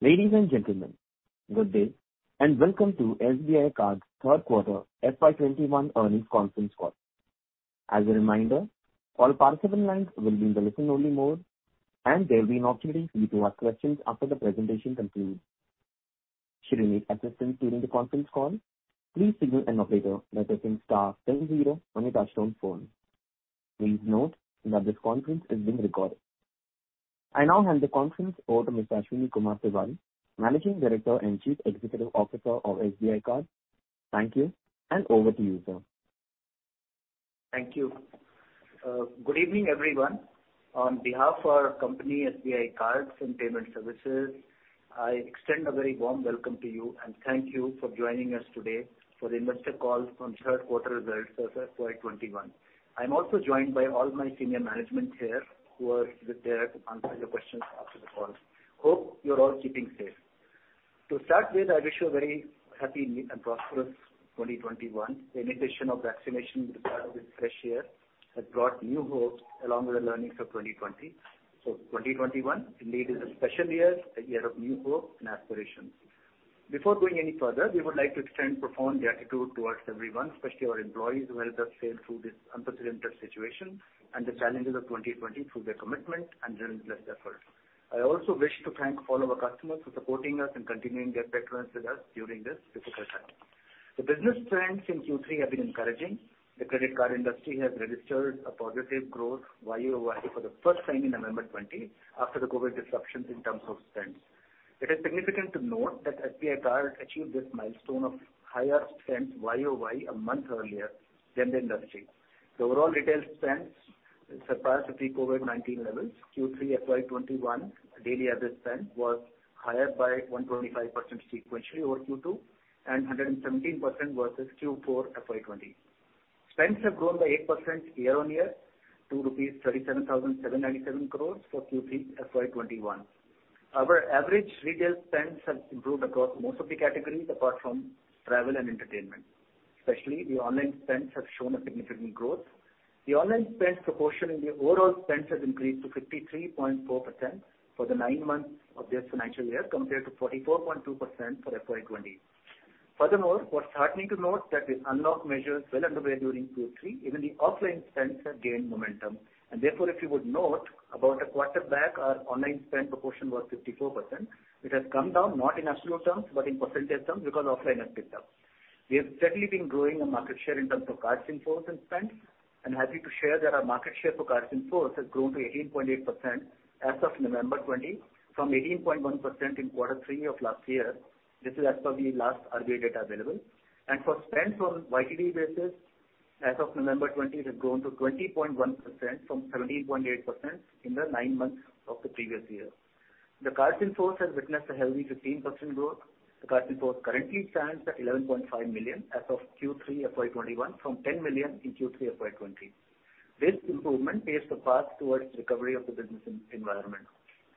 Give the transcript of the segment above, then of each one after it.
Ladies and gentlemen, good day, welcome to SBI Card's third quarter FY 2021 earnings conference call. As a reminder, all participant lines will be in the listen-only mode, and there will be an opportunity for you to ask questions after the presentation concludes. Should you need assistance during the conference call, please signal an operator by pressing star then zero on your touch-tone phone. Please note that this conference is being recorded. I now hand the conference over to Mr. Ashwini Kumar Tewari, Managing Director and Chief Executive Officer of SBI Card. Thank you, over to you, sir. Thank you. Good evening, everyone. On behalf our company, SBI Cards and Payment Services, I extend a very warm welcome to you and thank you for joining us today for the investor call on third quarter results of FY 2021. I'm also joined by all my senior management here who are there to answer your questions after the call. Hope you're all keeping safe. To start with, I wish you a very happy and prosperous 2021. The initiation of vaccination with the start of this fresh year has brought new hope along with the learnings of 2020. 2021 indeed is a special year, a year of new hope and aspirations. Before going any further, we would like to extend profound gratitude towards everyone, especially our employees, who helped us sail through this unprecedented situation and the challenges of 2020 through their commitment and relentless effort. I also wish to thank all of our customers for supporting us and continuing their patronage with us during this difficult time. The business trends in Q3 have been encouraging. The credit card industry has registered a positive growth YoY for the first time in November 2020, after the COVID-19 disruptions in terms of spend. It is significant to note that SBI Card achieved this milestone of higher spend YoY a month earlier than the industry. The overall retail spends surpassed the pre-COVID-19 levels. Q3 FY 2021 daily average spend was higher by 125% sequentially over Q2 and 117% versus Q4 FY 2020. Spends have grown by 8% year-on-year to rupees 37,797 crores for Q3 FY 2021. Our average retail spends have improved across most of the categories apart from travel and entertainment. Especially, the online spends have shown a significant growth. The online spend proportion in the overall spend has increased to 53.4% for the nine months of this financial year, compared to 44.2% for FY 2020. What's heartening to note that with unlock measures well underway during Q3, even the offline spends have gained momentum, therefore, if you would note, about a quarter back our online spend proportion was 54%. It has come down, not in absolute terms, but in percentage terms because offline has picked up. We have steadily been growing our market share in terms of cards in force and spend. I'm happy to share that our market share for cards in force has grown to 18.8% as of November 2020 from 18.1% in Q3 of last year. This is as per the last RBI data available. For spend from a YoY basis, as of November 2020, it has grown to 20.1% from 17.8% in the nine months of the previous year. The cards in force has witnessed a healthy 15% growth. The cards in force currently stands at 11.5 million as of Q3 FY 2021 from 10 million in Q3 FY 2020. This improvement paves the path towards recovery of the business environment.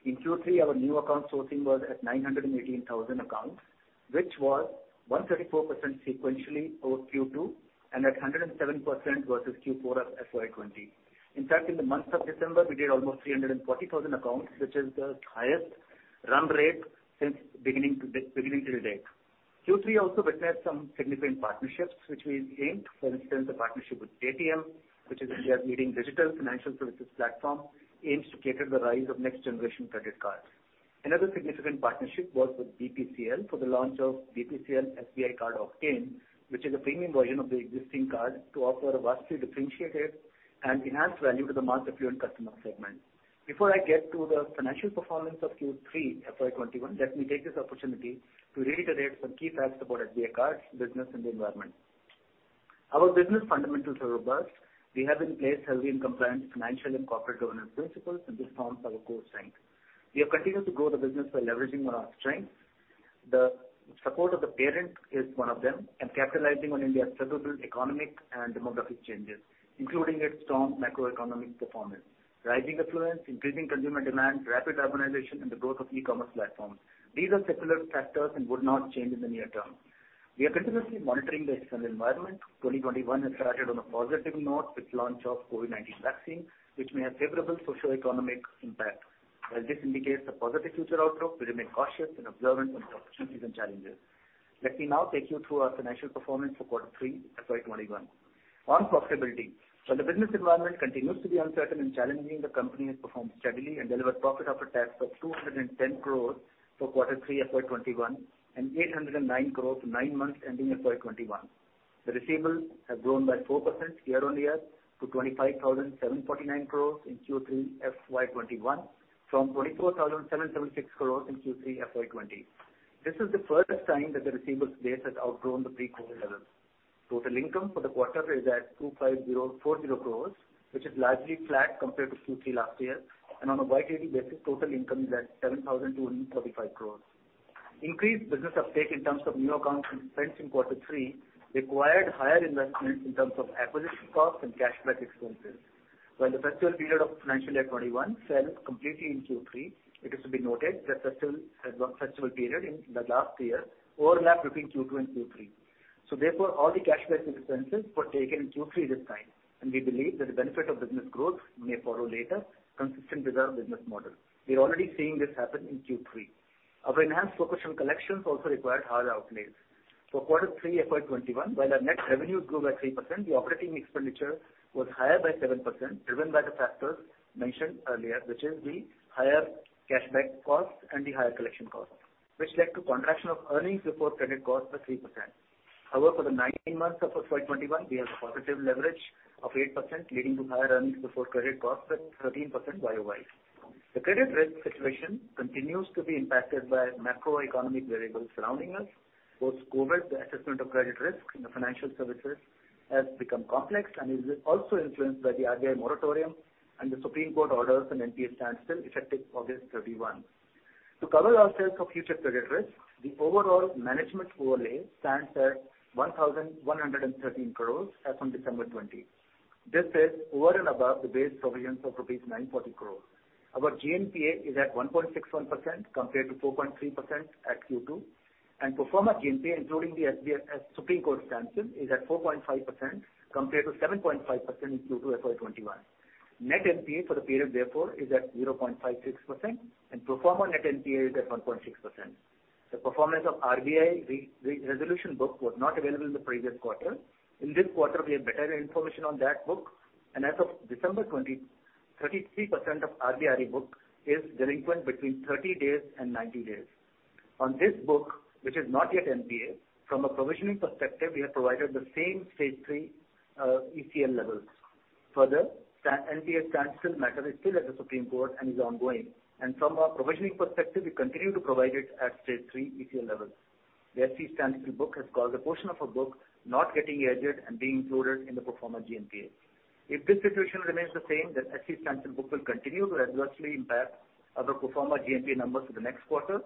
In Q3, our new account sourcing was at 918,000 accounts, which was 134% sequentially over Q2 and at 107% versus Q4 FY 2020. In fact, in the month of December, we did almost 340,000 accounts, which is the highest run rate since beginning till date. Q3 also witnessed some significant partnerships which we inked. For instance, the partnership with Paytm, which is India's leading digital financial services platform, aims to cater the rise of next generation credit cards. Another significant partnership was with BPCL for the launch of BPCL SBI Card Octane, which is a premium version of the existing card to offer a vastly differentiated and enhanced value to the mass affluent customer segment. Before I get to the financial performance of Q3 FY 2021, let me take this opportunity to reiterate some key facts about SBI Card's business and the environment. Our business fundamentals are robust. We have in place healthy and compliant financial and corporate governance principles, and this forms our core strength. We have continued to grow the business by leveraging on our strengths. The support of the parent is one of them, capitalizing on India's favorable economic and demographic changes, including its strong macroeconomic performance, rising affluence, increasing consumer demand, rapid urbanization, and the growth of e-commerce platforms. These are secular factors and would not change in the near term. We are continuously monitoring the external environment. 2021 has started on a positive note with launch of COVID-19 vaccine, which may have favorable socioeconomic impact. While this indicates a positive future outlook, we remain cautious and observant of the opportunities and challenges. Let me now take you through our financial performance for quarter three FY 2021. On profitability, while the business environment continues to be uncertain and challenging, the company has performed steadily and delivered profit after tax of 210 crores for quarter three FY 2021 and 809 crores nine months ending FY 2021. The receivables have grown by 4% year-on-year to 25,749 crores in Q3 FY 2021 from 24,776 crores in Q3 FY 2020. This is the first time that the receivables base has outgrown the pre-COVID level. Total income for the quarter is at 2,540 crore, which is largely flat compared to Q3 last year. On a YoY basis, total income is at 7,235 crore. Increased business uptake in terms of new accounts and spends in quarter three required higher investment in terms of acquisition costs and cashback expenses. While the festival period of FY 2021 fell completely in Q3, it is to be noted that festival period in the last year overlapped between Q2 and Q3. Therefore, all the cashback expenses were taken in Q3 this time. We believe that the benefit of business growth may follow later, consistent with our business model. We are already seeing this happen in Q3. Our enhanced focus on collections also required higher outlays. For quarter three FY 2021, while our net revenue grew by 3%, the operating expenditure was higher by 7%, driven by the factors mentioned earlier, which is the higher cashback costs and the higher collection costs, which led to contraction of earnings before credit costs by 3%. However, for the nine months of FY 2021, we have a positive leverage of 8%, leading to higher earnings before credit costs at 13% YoY. The credit risk situation continues to be impacted by macroeconomic variables surrounding us. Post-COVID-19, the assessment of credit risk in the financial services has become complex, and it is also influenced by the RBI moratorium and the Supreme Court orders on NPA standstill, effective August 31. To cover ourselves for future credit risk, the overall management overlay stands at ₹1,113 crores as from December 20. This is over and above the base provisions of ₹940 crores. Our GNPA is at 1.61% compared to 4.3% at Q2, and proforma GNPA, including the SC as Supreme Court standstill is at 4.5% compared to 7.5% in Q2 FY 2021. Net NPA for the period, therefore, is at 0.56%, and proforma net NPA is at 1.6%. The performance of RBI resolution book was not available in the previous quarter. In this quarter, we have better information on that book and as of December 20, 33% of RBI book is delinquent between 30 days and 90 days. On this book, which is not yet NPA, from a provisioning perspective, we have provided the same Stage 3 ECL levels. Further, NPA standstill matter is still at the Supreme Court and is ongoing, and from a provisioning perspective, we continue to provide it at Stage 3 ECL levels. The SC standstill book has caused a portion of our book not getting aged and being included in the proforma GNPA. If this situation remains the same, the SC standstill book will continue to adversely impact other proforma GNPA numbers for the next quarter.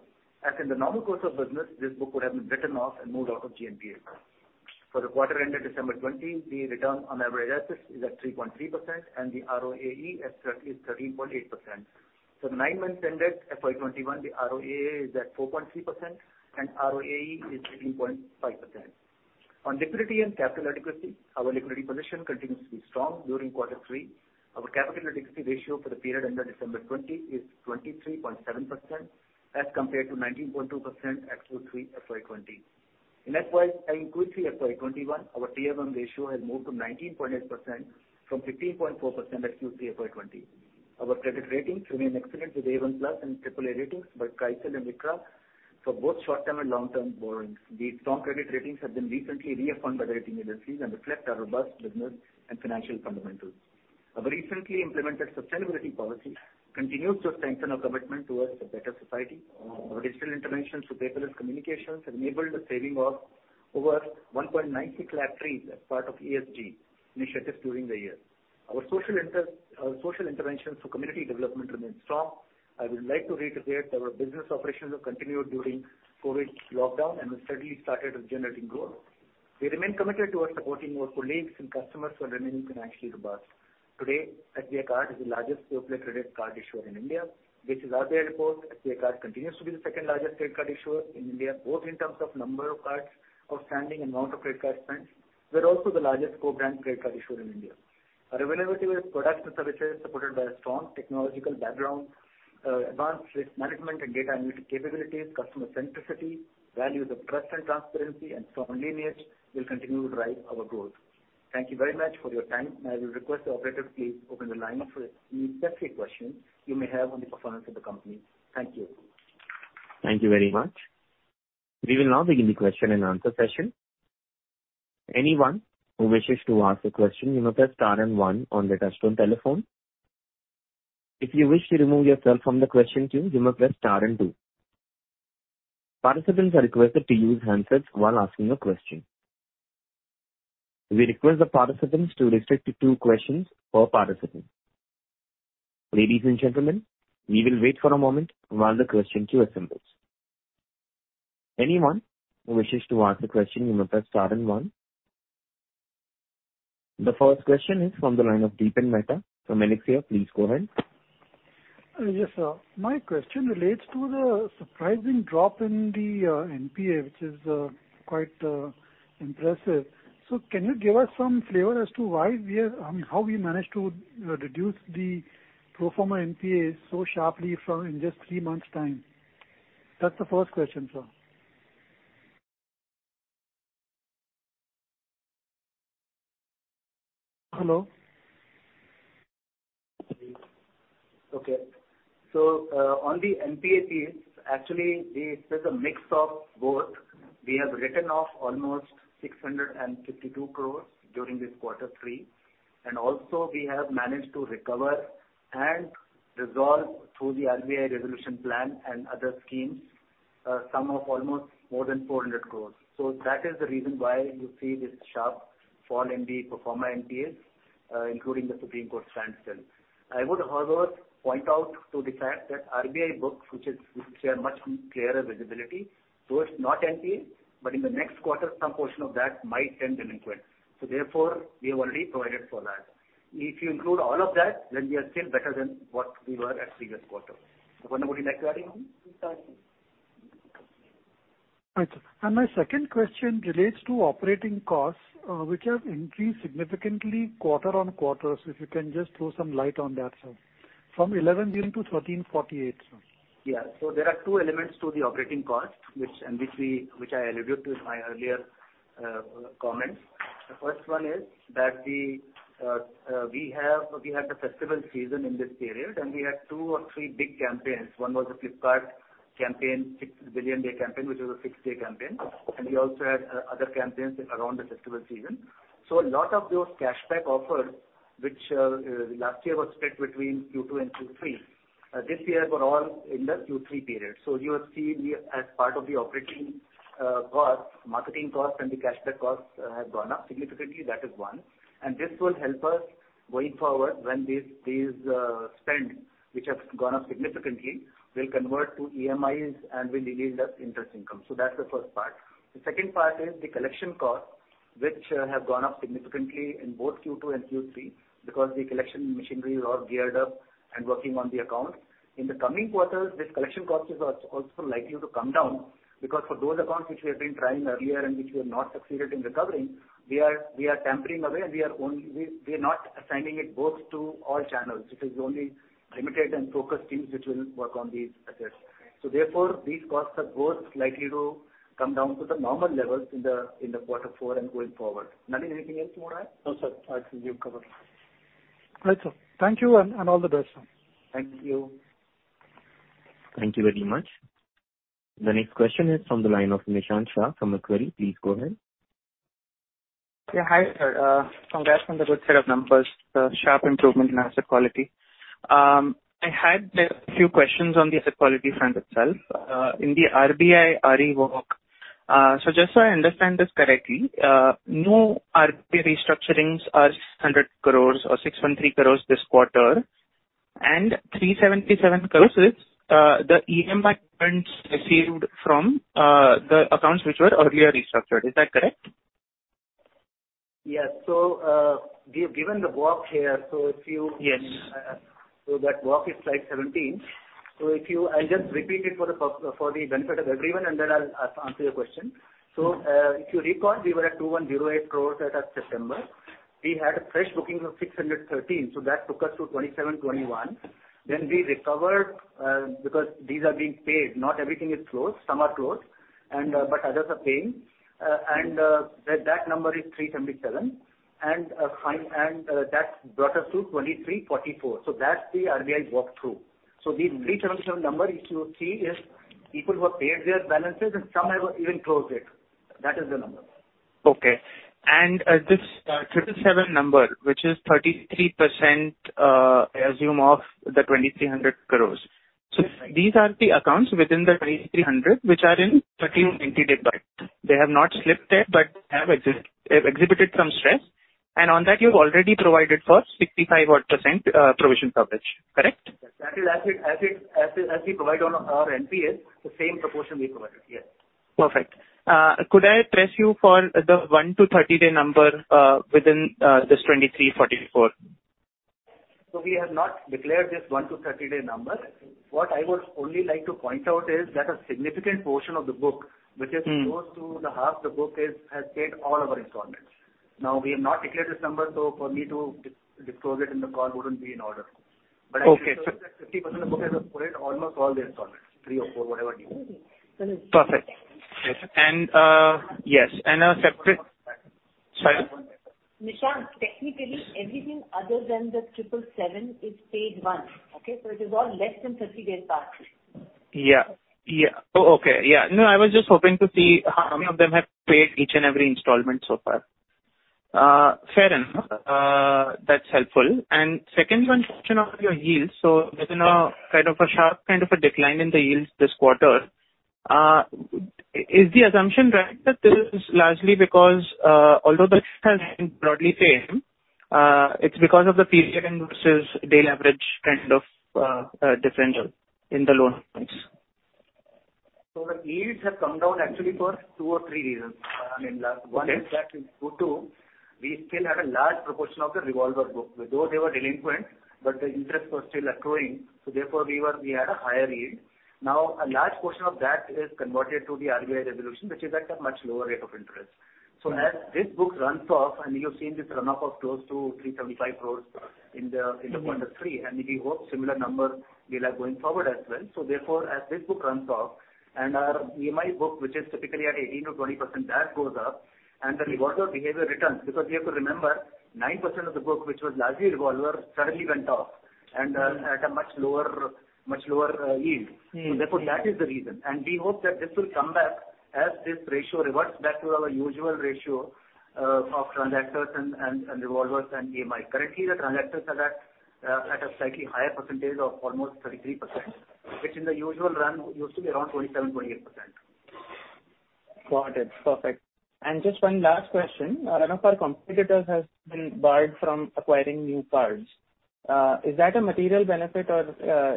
As in the normal course of business, this book would have been written off and moved out of GNPA. For the quarter ended December 2020, the return on average assets is at 3.3%, and the ROAE at 30 is 13.8%. For the nine months ended FY 2021, the ROAA is at 4.3% and ROAE is 13.5%. On liquidity and capital adequacy, our liquidity position continues to be strong during quarter three. Our capital adequacy ratio for the period ended December 2020 is 23.7% as compared to 19.2% at Q3 FY 2020. In FY including Q3 FY 2021, our T1 ratio has moved to 19.8% from 15.4% at Q3 FY 2020. Our credit ratings remain excellent with A1+ and AAA ratings by CRISIL and ICRA for both short-term and long-term borrowings. The strong credit ratings have been recently reaffirmed by the rating agencies and reflect our robust business and financial fundamentals. Our recently implemented sustainability policy continues to strengthen our commitment towards a better society. Our digital interventions through paperless communications enabled the saving of over 1.96 lakh trees as part of ESG initiatives during the year. Our social interventions for community development remain strong. I would like to reiterate our business operations have continued during COVID-19 lockdown and have steadily started generating growth. We remain committed towards supporting our colleagues and customers for remaining financially robust. Today, SBI Card is the largest co-brand credit card issuer in India. Based on our reports, SBI Card continues to be the second largest credit card issuer in India, both in terms of number of cards outstanding and amount of credit card spends. We are also the largest co-brand credit card issuer in India. Our availability of products and services supported by a strong technological background, advanced risk management and data analytic capabilities, customer centricity, values of trust and transparency, and strong lineage will continue to drive our growth. Thank you very much for your time. I will request the operator to please open the line up for any questions you may have on the performance of the company. Thank you. Thank you very much. We will now begin the question-and-answer session. Anyone who wishes to ask a question, you may press star and one on the touchtone telephone. If you wish to remove yourself from the question queue, you may press star and two. Participants are requested to use handsets while asking a question. We request the participants to restrict to two questions per participant. Ladies and gentlemen, we will wait for a moment while the question queue assembles. Anyone who wishes to ask a question, you may press star and one. The first question is from the line of Dipan Mehta from Elixir. Please go ahead. Yes, sir. My question relates to the surprising drop in the NPA, which is quite impressive. Can you give us some flavor as to how we managed to reduce the proforma NPA so sharply in just three months' time? That's the first question, sir. Hello? Okay. On the NPA piece, actually, this is a mix of both. We have written off almost 652 crores during this quarter three, and also we have managed to recover and resolve through the RBI resolution plan and other schemes, a sum of almost more than 400 crores. That is the reason why you see this sharp fall in the proforma NPAs, including the Supreme Court standstill. I would, however, point out to the fact that RBI books, which have much clearer visibility, those not NPA, but in the next quarter, some portion of that might turn delinquent. Therefore, we have already provided for that. If you include all of that, then we are still better than what we were at previous quarter. Dipan, would you like to add anything? Right, sir. My second question relates to operating costs, which have increased significantly quarter-on-quarter. If you can just throw some light on that, sir. From 11 billion to 1,348, sir. Yeah. There are two elements to the operating cost, which I alluded to in my earlier comments. The first one is that we had the festival season in this period, and we had two or three big campaigns. One was the Flipkart campaign, Big Billion Days campaign, which was a six-day campaign, and we also had other campaigns around the festival season. A lot of those cashback offers, which last year were split between Q2 and Q3, this year were all in the Q3 period. You will see as part of the operating cost, marketing cost, and the cashback cost have gone up significantly. That is one. This will help us going forward when these spend, which have gone up significantly, will convert to EMIs and will deliver the interest income. That's the first part. The second part is the collection cost, which have gone up significantly in both Q2 and Q3 because the collection machinery is all geared up and working on the account. In the coming quarters, this collection cost is also likely to come down because for those accounts which we have been trying earlier and which we have not succeeded in recovering, we are tapering away and we are not assigning it both to all channels. It is only limited and focused teams which will work on these assets. Therefore, these costs are both likely to come down to the normal levels in the quarter four and going forward. Nalin, anything else you want to add? No, sir. I think you've covered. Right, sir. Thank you, and all the best. Thank you. Thank you very much. The next question is from the line of Nishant Shah from Macquarie. Please go ahead. Hi, sir. Congrats on the good set of numbers, the sharp improvement in asset quality. I had a few questions on the asset quality front itself. In the RBI RE book, just so I understand this correctly, no RBI restructurings are 100 crore or 613 crore this quarter, and 377 crore is the EMI payments received from the accounts which were earlier restructured. Is that correct? Yes. given the book here, Yes. That book is slide 17. I'll just repeat it for the benefit of everyone, and then I'll answer your question. If you recall, we were at 2,108 crore as of September. We had a fresh booking of 613, so that took us to 2,721. We recovered, because these are being paid, not everything is closed. Some are closed, but others are paying, and that number is 377, and that brought us to 2,344. That's the RBI work through. The 377 number if you see is people who have paid their balances and some have even closed it. That is the number. Okay. This 777 number, which is 33%, I assume, of the 2,300 crore. Yes. These are the accounts within the 2,300 which are in 30 or 90 day debt. They have not slipped yet but have exhibited some stress. On that you've already provided for 65 odd percent provision coverage. Correct? That is as we provide on our NPS, the same proportion we provided. Yes. Perfect. Could I press you for the one to 30-day number within this 2344? We have not declared this one to 30-day number. What I would only like to point out is that a significant portion of the book, which is close to half the book has paid all our installments. Now, we have not declared this number, so for me to disclose it in the call wouldn't be in order. Okay. I can tell you that 50% of books have paid almost all the installments, three or four, whatever due. Perfect. Yes. A separate Sorry? Nishant, technically, everything other than the 777 is paid once. Okay? It is all less than 30 days past due. Yeah. Oh, okay. No, I was just hoping to see how many of them have paid each and every installment so far. Fair enough. That's helpful. Second one question on your yields. There's now kind of a sharp decline in the yields this quarter. Is the assumption right that this is largely because although the has been broadly same, it's because of the period versus daily average kind of differential in the loan points? The yields have come down actually for two or three reasons. Okay. One is that in Q2, we still had a large proportion of the revolver book. Though they were delinquent, but the interests were still accruing. Therefore, we had a higher yield. Now, a large portion of that is converted to the RBI resolution, which is at a much lower rate of interest. As this book runs off, and you have seen this run-off of close to 375 crore in the quarter three, and we hope similar number we'll have going forward as well. Therefore, as this book runs off and our EMI book, which is typically at 18%-20%, that goes up and the revolver behavior returns. We have to remember, 9% of the book, which was largely revolver, suddenly went off and at a much lower yield. Therefore, that is the reason. We hope that this will come back as this ratio reverts back to our usual ratio of transactors and revolvers and EMI. Currently, the transactors are at a slightly higher percentage of almost 33%, which in the usual run used to be around 27%-28%. Got it. Perfect. Just one last question. One of our competitors has been barred from acquiring new cards. Is that a material benefit or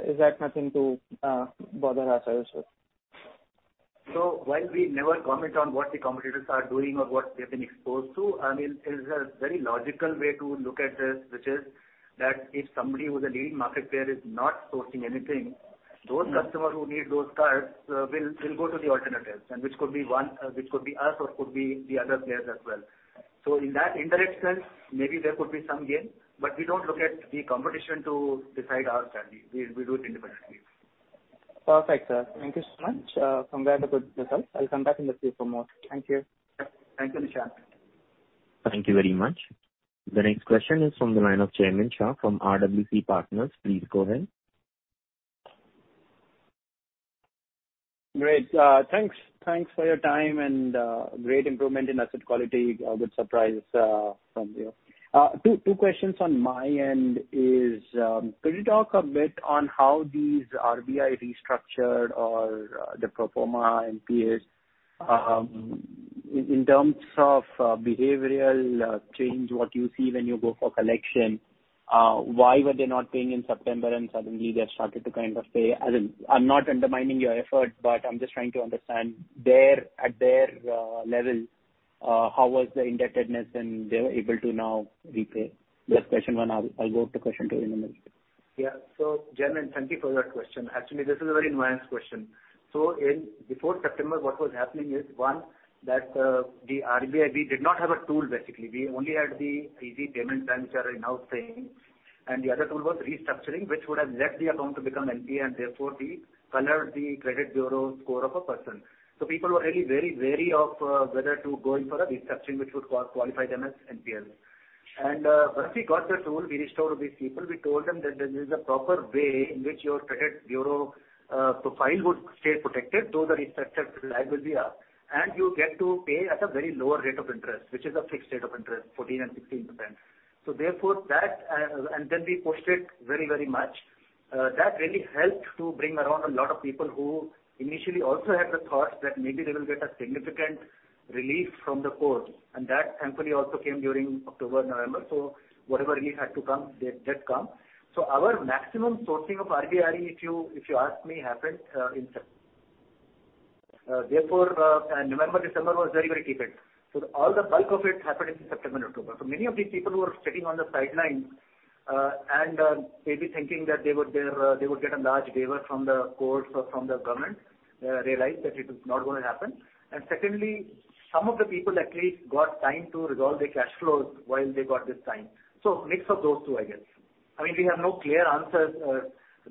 is that nothing to bother ourselves with? While we never comment on what the competitors are doing or what they've been exposed to, there's a very logical way to look at this, which is that if somebody who's a leading market player is not sourcing anything, those customers who need those cards will go to the alternatives, which could be us or could be the other players as well. In that indirect sense, maybe there could be some gain, but we don't look at the competition to decide our strategy. We do it independently. Perfect, sir. Thank you so much. Congrats with the results. I'll come back in the queue for more. Thank you. Thank you, Nishant. Thank you very much. The next question is from the line of Jaimin Shah from RWC Partners. Please go ahead. Thanks for your time and great improvement in asset quality. A good surprise from you. Two questions on my end is, could you talk a bit on how these RBI restructured or the pro forma NPAs, in terms of behavioral change, what you see when you go for collection? Why were they not paying in September and suddenly they started to pay? I'm not undermining your effort, I'm just trying to understand, at their level, how was the indebtedness and they were able to now repay? That's question one. I'll go to question two in a minute. Yeah. Jaimin, thank you for that question. Actually, this is a very nuanced question. Before September, what was happening is, one, that the RBI, we did not have a tool, basically. We only had the easy payment plan which are in-house paying. The other tool was restructuring, which would have let the account become NPA and therefore colored the credit bureau score of a person. People were really very wary of whether to go in for a restructuring which would qualify them as NPA. Once we got this rule, we restored these people. We told them that this is the proper way in which your credit bureau profile would stay protected, those are restructured live will be up, and you get to pay at a very lower rate of interest, which is a fixed rate of interest, 14% and 16%. We pushed it very much. That really helped to bring around a lot of people who initially also had the thought that maybe they will get a significant relief from the court and that thankfully also came during October, November. Whatever relief had to come, did come. Our maximum sourcing of RBI, if you ask me, happened in September. Therefore, November, December was very tapered. All the bulk of it happened in September and October. Many of these people who are sitting on the sidelines and maybe thinking that they would get a large waiver from the courts or from the government realized that it was not going to happen. Secondly, some of the people at least got time to resolve their cash flows while they got this time. Mix of those two, I guess. We have no clear answers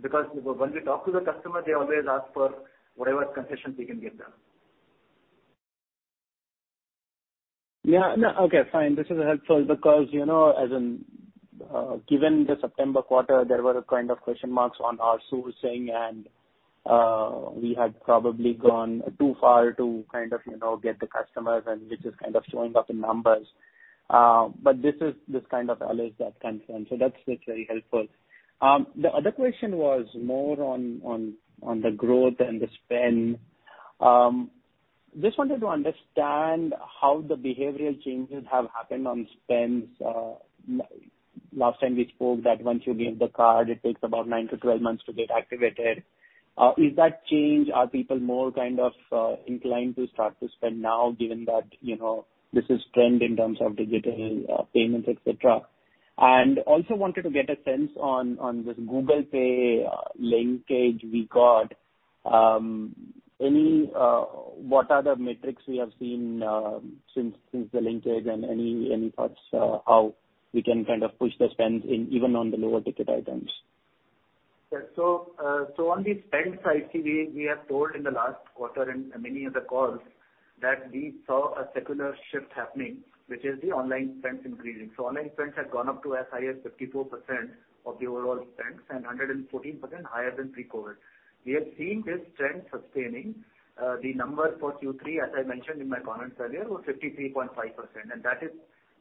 because when we talk to the customer, they always ask for whatever concessions we can get them. Okay, fine. This is helpful because, as in given the September quarter, there were question marks on our sourcing and we had probably gone too far to get the customers and which is showing up in numbers. This kind of allays that concern, so that's very helpful. The other question was more on the growth and the spend. Just wanted to understand how the behavioral changes have happened on spends. Last time we spoke that once you give the card, it takes about nine to 12 months to get activated. Is that changed? Are people more inclined to start to spend now given that this is trend in terms of digital payments, et cetera? Also wanted to get a sense on this Google Pay linkage we got. What are the metrics we have seen since the linkage and any thoughts how we can push the spends even on the lower ticket items? On the spend side, we have told in the last quarter and many other calls that we saw a secular shift happening, which is the online spends increasing. Online spends had gone up to as high as 54% of the overall spends and 114% higher than pre-COVID. We are seeing this trend sustaining. The number for Q3, as I mentioned in my comments earlier, was 53.5%. That is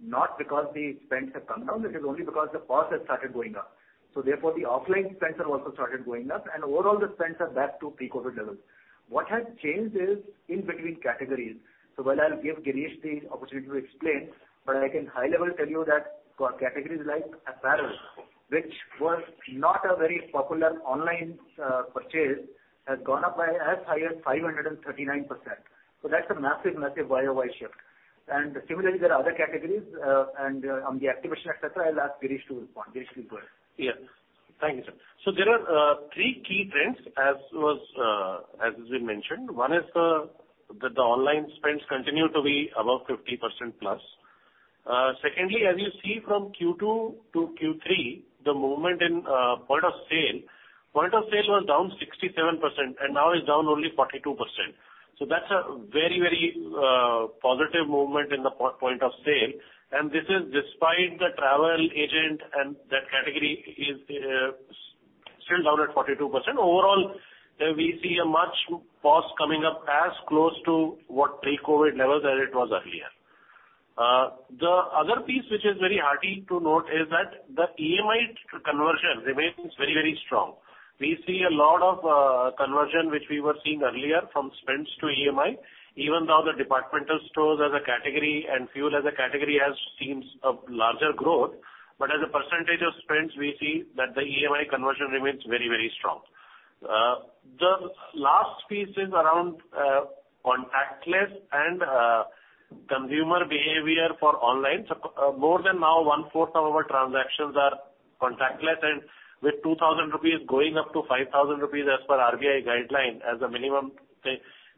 not because the spends have come down. This is only because the POS has started going up. The offline spends have also started going up and overall the spends are back to pre-COVID levels. What has changed is in between categories. While I'll give Girish the opportunity to explain, but I can high-level tell you that categories like apparel, which was not a very popular online purchase, has gone up by as high as 539%. That's a massive YOY shift. Similarly, there are other categories. On the activation, et cetera, I'll ask Girish to respond. Girish, you go ahead. Yes. Thank you, sir. There are three key trends as has been mentioned. One is that the online spends continue to be above 50%+. Secondly, as you see from Q2 to Q3, the movement in point of sale was down 67% and now is down only 42%. That's a very positive movement in the point of sale. This is despite the travel agent and that category is still down at 42%. Overall, we see a much POS coming up as close to what pre-COVID level than it was earlier. The other piece which is very heartening to note is that the EMI conversion remains very strong. We see a lot of conversion which we were seeing earlier from spends to EMI, even though the departmental stores as a category and fuel as a category has seen a larger growth. As a percentage of spends, we see that the EMI conversion remains very strong. The last piece is around contactless and consumer behavior for online. More than now, one-fourth of our transactions are contactless, and with 2,000 rupees going up to 5,000 rupees as per RBI guideline as a minimum,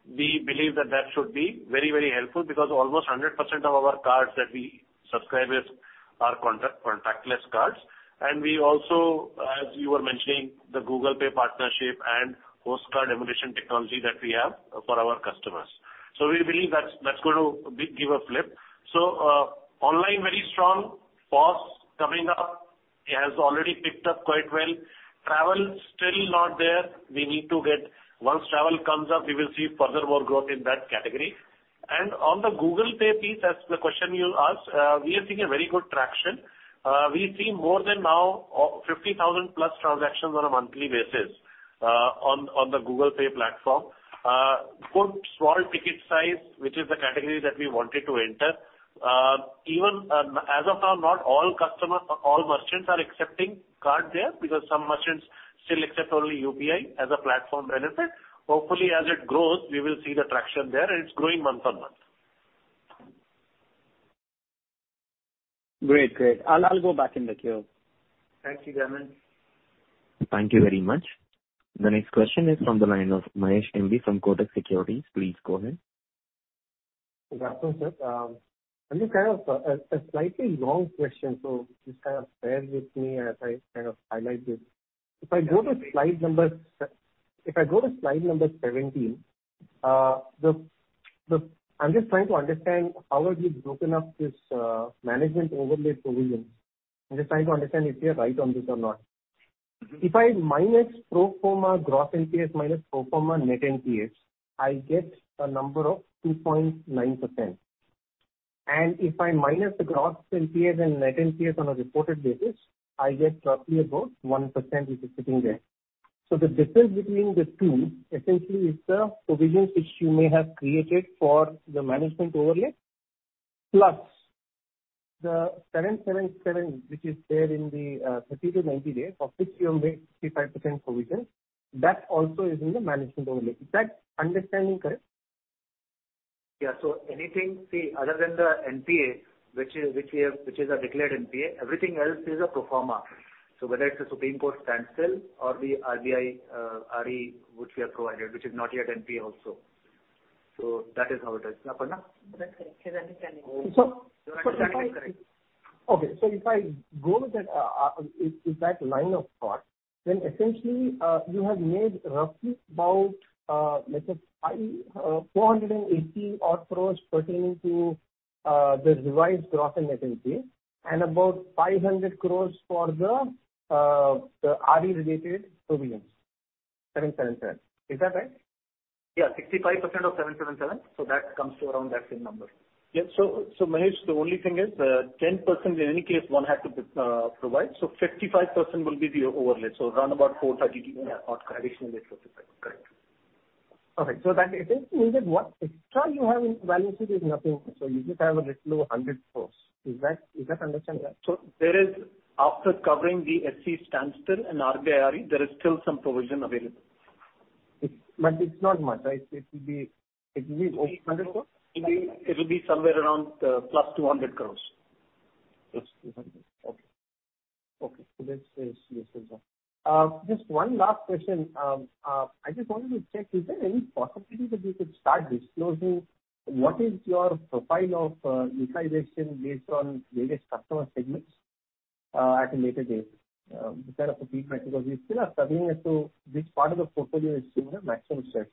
we believe that should be very helpful because almost 100% of our cards that we subscribe with are contactless cards. We also, as you were mentioning, the Google Pay partnership and host card emulation technology that we have for our customers. We believe that's going to give a flip. Online, very strong. POS coming up. It has already picked up quite well. Travel, still not there. Once travel comes up, we will see further more growth in that category. On the Google Pay piece, that's the question you asked. We are seeing a very good traction. We've seen more than now 50,000 plus transactions on a monthly basis on the Google Pay platform. Good small ticket size, which is the category that we wanted to enter. Even as of now, not all merchants are accepting card there, because some merchants still accept only UPI as a platform benefit. Hopefully, as it grows, we will see the traction there, and it's growing month-on-month. Great. I'll go back in the queue. Thank you, Jaimin. Thank you very much. The next question is from the line of Mahesh M.B. from Kotak Securities. Please go ahead. Good afternoon, sir. I have a slightly long question, so just bear with me as I highlight this. If I go to slide number 17, I'm just trying to understand how have you broken up this management overlay provision. I'm just trying to understand if we are right on this or not. If I minus pro forma gross NPAs minus pro forma net NPAs, I get a number of 2.9%. If I minus the gross NPAs and net NPAs on a reported basis, I get roughly about 1% which is sitting there. The difference between the two essentially is the provisions which you may have created for the management overlay, plus the seven-seven-seven which is there in the 30-90 day for which you make 55% provision. That also is in the management overlay. Is that understanding correct? Yeah. Anything other than the NPA, which is a declared NPA, everything else is a pro forma. Whether it's a Supreme Court standstill or the RBI RE which we have provided, which is not yet NPA also. That is how it is. Aparna? That's correct. His understanding is correct. If I go with that line of thought, then essentially, you have made roughly about, let's say, 480 odd crores pertaining to the revised gross and net NPA and about 500 crores for the RBI RE-related provisions. Is that right? Yeah. 65% of 777. That comes to around that same number. Mahesh, the only thing is 10% in any case, one had to provide, so 55% will be the overlay. Around about 430 odd additional correct. Okay. That essentially means that what extra you have in valuation is nothing. You just have a little over 100 crores. Is that understanding correct? After covering the SC standstill and RBI RE, there is still some provision available. It's not much, right? It will be over INR 100 crore? It'll be somewhere around +200 crores. +200 crores. Okay. That's clear as well. Just one last question. I just wanted to check, is there any possibility that you could start disclosing what is your profile of utilization based on various customer segments at a later date? Just kind of a brief, because we still are struggling as to which part of the portfolio is seeing the maximum stress.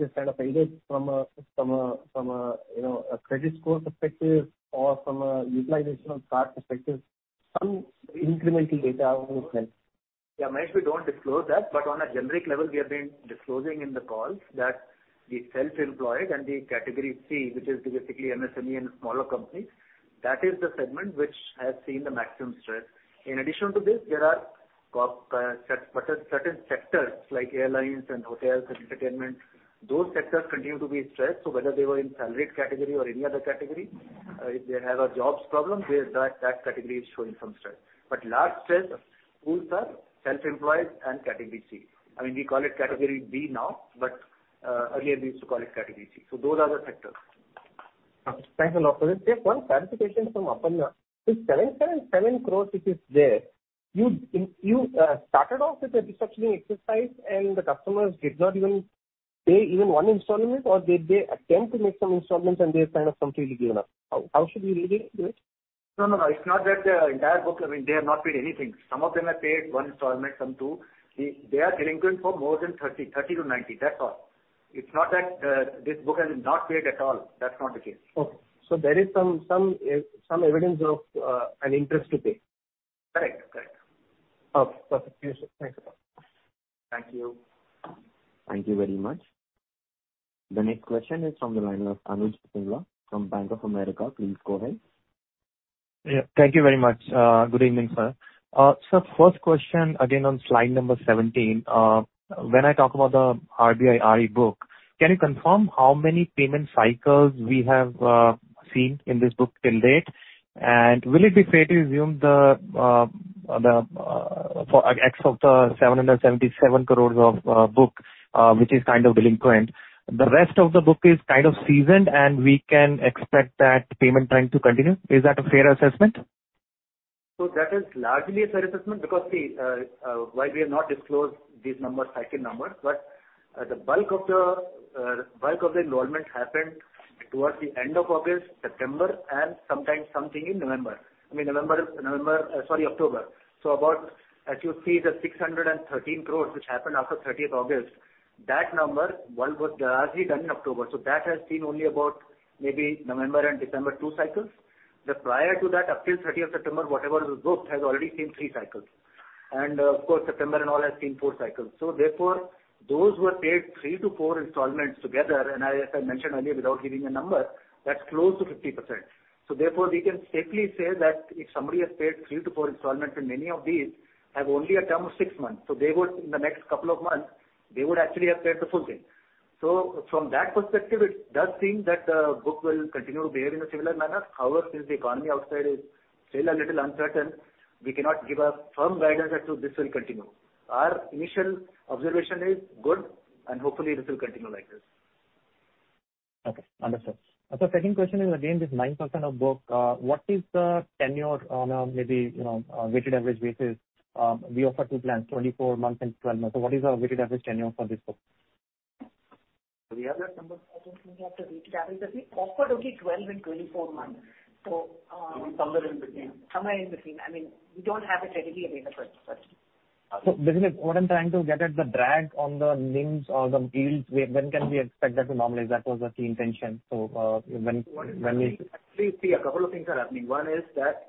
Just either from a credit score perspective or from a utilization of card perspective, some incremental data would have been helpful. Yeah, Mahesh, we don't disclose that, but on a generic level, we have been disclosing in the calls that the self-employed and the category C, which is basically MSME and smaller companies, that is the segment which has seen the maximum stress. In addition to this, there are certain sectors like airlines and hotels and entertainment. Those sectors continue to be stressed. Whether they were in salaried category or any other category, if they have a jobs problem, that category is showing some stress. Large stress pools are self-employed and category C. We call it category D now, but earlier we used to call it category C. Those are the sectors. Thanks a lot. Aparna, just one clarification from Aparna. This 777 crores which is there, you started off with a restructuring exercise and the customers did not even pay even one installment or did they attempt to make some installments and they kind of completely given up? How should we read it? No, it's not that the entire book, they have not paid anything. Some of them have paid one installment, some two. They are delinquent for more than 30-90, that's all. It's not that this book has not paid at all. That's not the case. Okay. There is some evidence of an interest to pay. Correct. Okay. Perfect. Thank you, sir. Thank you. Thank you very much. The next question is from the line of Anuj Singla from Bank of America. Please go ahead. Thank you very much. Good evening, sir. First question, again, on slide number 17. When I talk about the RBI RE book. Can you confirm how many payment cycles we have seen in this book till date? Will it be fair to assume the X of the 777 crores of book, which is kind of delinquent, the rest of the book is kind of seasoned, and we can expect that payment trend to continue. Is that a fair assessment? That is largely a fair assessment because while we have not disclosed these numbers, cycling numbers, but the bulk of the enrollments happened towards the end of August, September, and sometimes something in November. I mean October. About, as you see the 613 crore which happened after 30th August, that number was largely done in October. That has seen only about maybe November and December, two cycles. Just prior to that, up till 30th September, whatever was booked has already seen three cycles. Of course, September and all has seen four cycles. Therefore, those who have paid three to four installments together, and as I mentioned earlier without giving a number, that's close to 50%. Therefore, we can safely say that if somebody has paid three to four installments and many of these have only a term of six months, in the next couple of months they would actually have paid the full thing. From that perspective, it does seem that the book will continue to behave in a similar manner. However, since the economy outside is still a little uncertain, we cannot give a firm guidance as to this will continue. Our initial observation is good and hopefully this will continue like this. Okay. Understood. Second question is again, this 9% of book. What is the tenure on a maybe weighted average basis? We offer two plans, 24 months and 12 months. What is our weighted average tenure for this book? Do we have that number? I don't think we have the weighted average, because we offered only 12 and 24 months. Somewhere in between. Somewhere in between. We don't have it readily available. What I'm trying to get at the drag on the NIMs or the yields, when can we expect that to normalize? That was the key intention. Actually, a couple of things are happening. One is that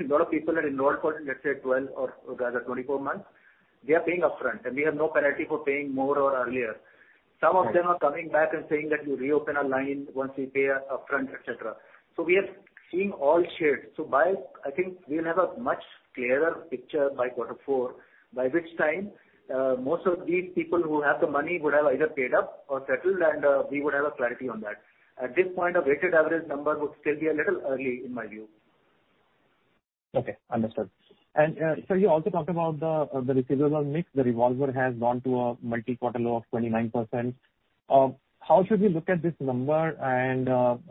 a lot of people that enrolled for, let's say, 12 or rather 24 months, they are paying upfront, and we have no penalty for paying more or earlier. Some of them are coming back and saying that you reopen a line once we pay upfront, et cetera. We are seeing all shades. I think we will have a much clearer picture by quarter four, by which time most of these people who have the money would have either paid up or settled and we would have clarity on that. At this point, a weighted average number would still be a little early in my view. Okay. Understood. Sir, you also talked about the receivables mix. The revolver has gone to a multi-quarter low of 29%. How should we look at this number and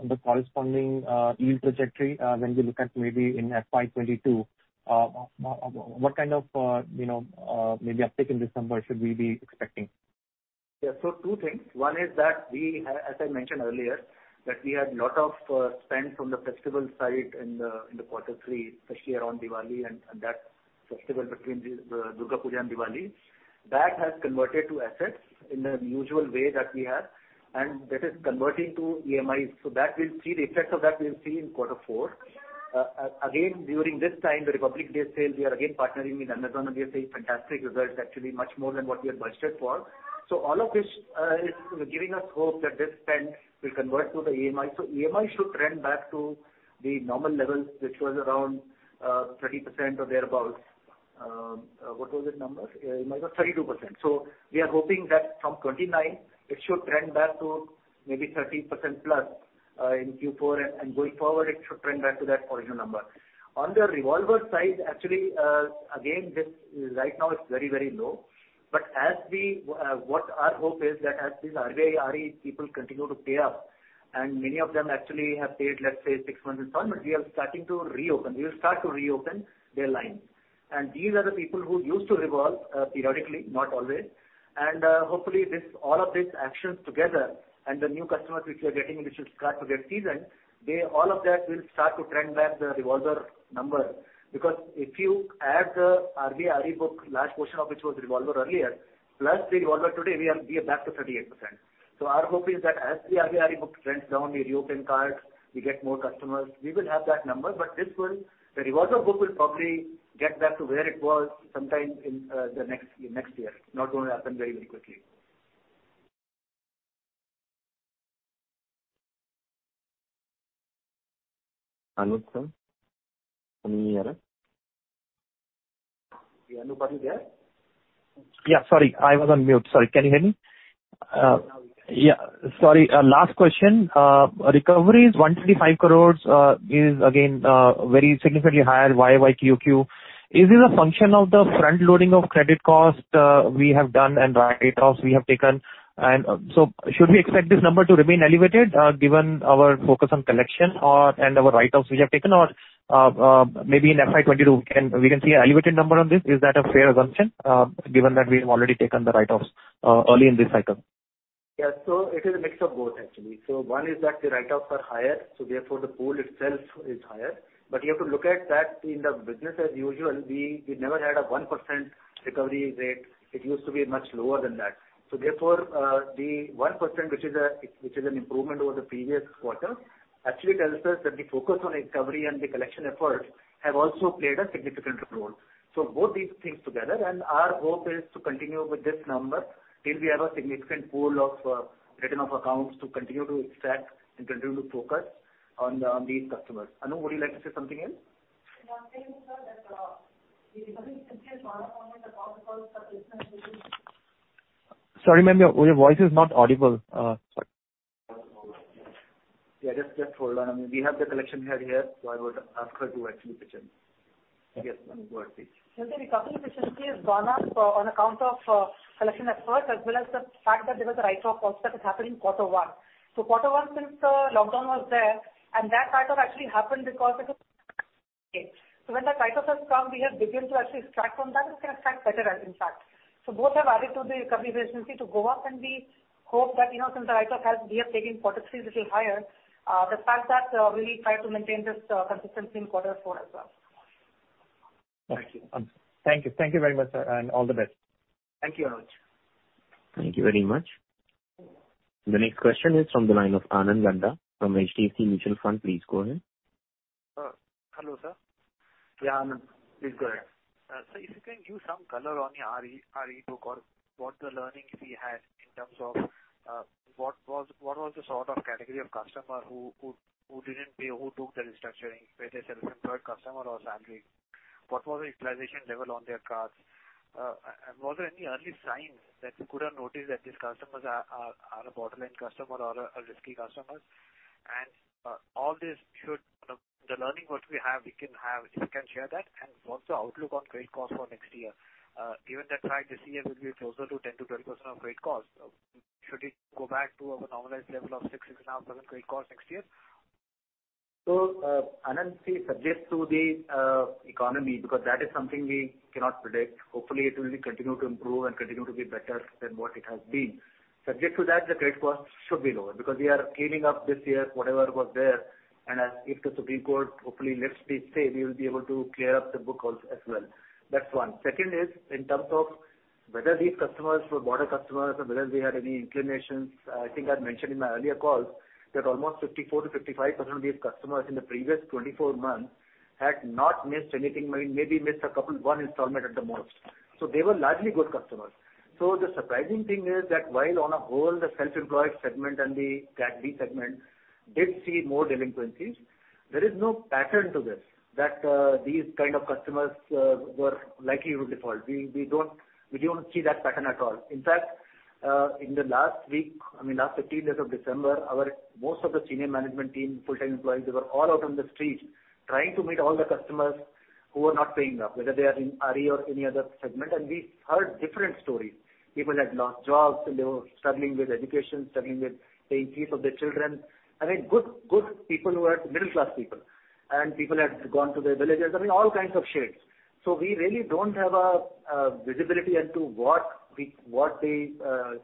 the corresponding yield trajectory when we look at maybe in FY 2022? What kind of maybe uptick in this number should we be expecting? Two things. One is that, as I mentioned earlier, that we had lot of spend from the festival side in the quarter three, especially around Diwali and that festival between Durga Puja and Diwali. That has converted to assets in the usual way that we have, and that is converting to EMIs. The effects of that we'll see in quarter four. Again, during this time, the Republic Day sale, we are again partnering with Amazon and we are seeing fantastic results, actually much more than what we had budgeted for. All of this is giving us hope that this spend will convert to the EMI. EMI should trend back to the normal level, which was around 30% or thereabouts. What was it number? It might be 32%. We are hoping that from 29 it should trend back to maybe 30%+ in Q4, and going forward it should trend back to that original number. On the revolver side, actually, again, right now it's very low. What our hope is that as these RBI RE people continue to pay up, and many of them actually have paid, let's say, six months installment, we will start to reopen their line. These are the people who used to revolve periodically, not always. Hopefully all of these actions together and the new customers which we are getting, which will start to get seasoned, all of that will start to trend back the revolver number. If you add the RBI RE book, large portion of which was revolver earlier, plus the revolver today, we are back to 38%. Our hope is that as the RBI RE book trends down, we reopen cards, we get more customers, we will have that number. The revolver book will probably get back to where it was sometime in the next year. Not going to happen very quickly. Anuj. Are you here? Yeah. Anuj, are you there? Yeah. Sorry, I was on mute. Sorry. Can you hear me? Now we can hear you. Sorry, last question. Recoveries, 135 crore is again very significantly higher YoY, QoQ. Is this a function of the front loading of credit cost we have done and write-offs we have taken? Should we expect this number to remain elevated given our focus on collection and our write-offs we have taken, maybe in FY 2022 we can see an elevated number on this? Is that a fair assumption given that we have already taken the write-offs early in this cycle? It is a mix of both actually. One is that the write-offs are higher, therefore the pool itself is higher. You have to look at that in the business as usual. We never had a 1% recovery rate. It used to be much lower than that. Therefore, the 1%, which is an improvement over the previous quarter, actually tells us that the focus on recovery and the collection efforts have also played a significant role. Both these things together, and our hope is to continue with this number till we have a significant pool of written-off accounts to continue to extract and continue to focus on these customers. Anup, would you like to say something else? Sorry, ma'am, your voice is not audible. Yeah, just hold on a minute. We have the collection head here, so I would ask her to actually pitch in. Yes, ma'am. Go ahead, please. Sir, the recovery efficiency has gone up on account of collection efforts as well as the fact that there was a write-off also that happened in quarter one. Quarter one, since the lockdown was there, and that write-off actually happened because of. When the write-offs have come, we have begun to actually extract from that and can extract better, in fact. Both have added to the recovery efficiency to go up, and we hope that since the write-off has been taken quarter three little higher, the fact that we'll try to maintain this consistency in quarter four as well. Thank you. Thank you very much, sir. All the best. Thank you, Anuj. Thank you very much. The next question is from the line of Anand Laddha from HDFC Mutual Fund. Please go ahead. Hello, sir. Yeah, Anand. Please go ahead. Sir, if you can give some color on your RBI RE book or what the learnings we had in terms of what was the sort of category of customer who didn't pay, who took the restructuring, were they self-employed customer or salaried? What was the utilization level on their cards? Were there any early signs that you could have noticed that these customers are a borderline customer or are risky customers? All this should, the learning what we have, if you can share that. What's the outlook on credit cost for next year? Given that this year will be closer to 10%-12% of credit cost, should it go back to our normalized level of 6%, 6.5% credit cost next year? Anand, see subject to the economy, because that is something we cannot predict. Hopefully, it will continue to improve and continue to be better than what it has been. Subject to that, the credit cost should be lower because we are cleaning up this year whatever was there. If the Supreme Court hopefully lifts the stay, we will be able to clear up the book also as well. That's one. Second is in terms of whether these customers were border customers or whether they had any inclinations. I think I mentioned in my earlier calls that almost 54%-55% of these customers in the previous 24 months had not missed anything, maybe missed a couple one installment at the most. They were largely good customers. The surprising thing is that while on a whole, the self-employed segment and the category segment did see more delinquencies, there is no pattern to this that these kind of customers were likely to default. We don't see that pattern at all. In fact, in the last week, I mean last 15 days of December, most of the senior management team, full-time employees, they were all out on the street trying to meet all the customers who were not paying up, whether they are in RE or any other segment. We heard different stories. People had lost jobs, they were struggling with education, struggling with paying fees for their children. I mean, good people who are middle-class people and people had gone to their villages, I mean all kinds of shades. We really don't have a visibility as to what the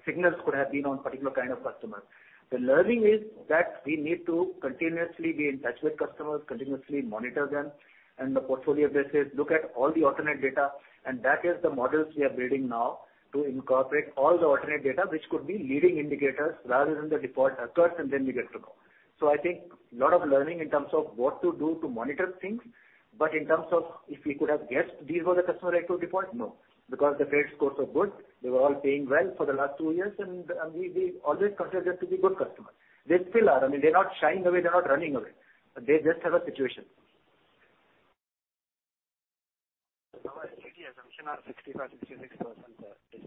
signals could have been on particular kind of customers. The learning is that we need to continuously be in touch with customers, continuously monitor them and the portfolio basis, look at all the alternate data, and that is the models we are building now to incorporate all the alternate data which could be leading indicators rather than the default occurs and then we get to know. I think lot of learning in terms of what to do to monitor things. In terms of if we could have guessed these were the customer who had to default, no, because the credit scores were good. They were all paying well for the last two years and we always consider them to be good customers. They still are. I mean, they're not shying away. They're not running away. They just have a situation. Our LGD assumption are 65%-66%,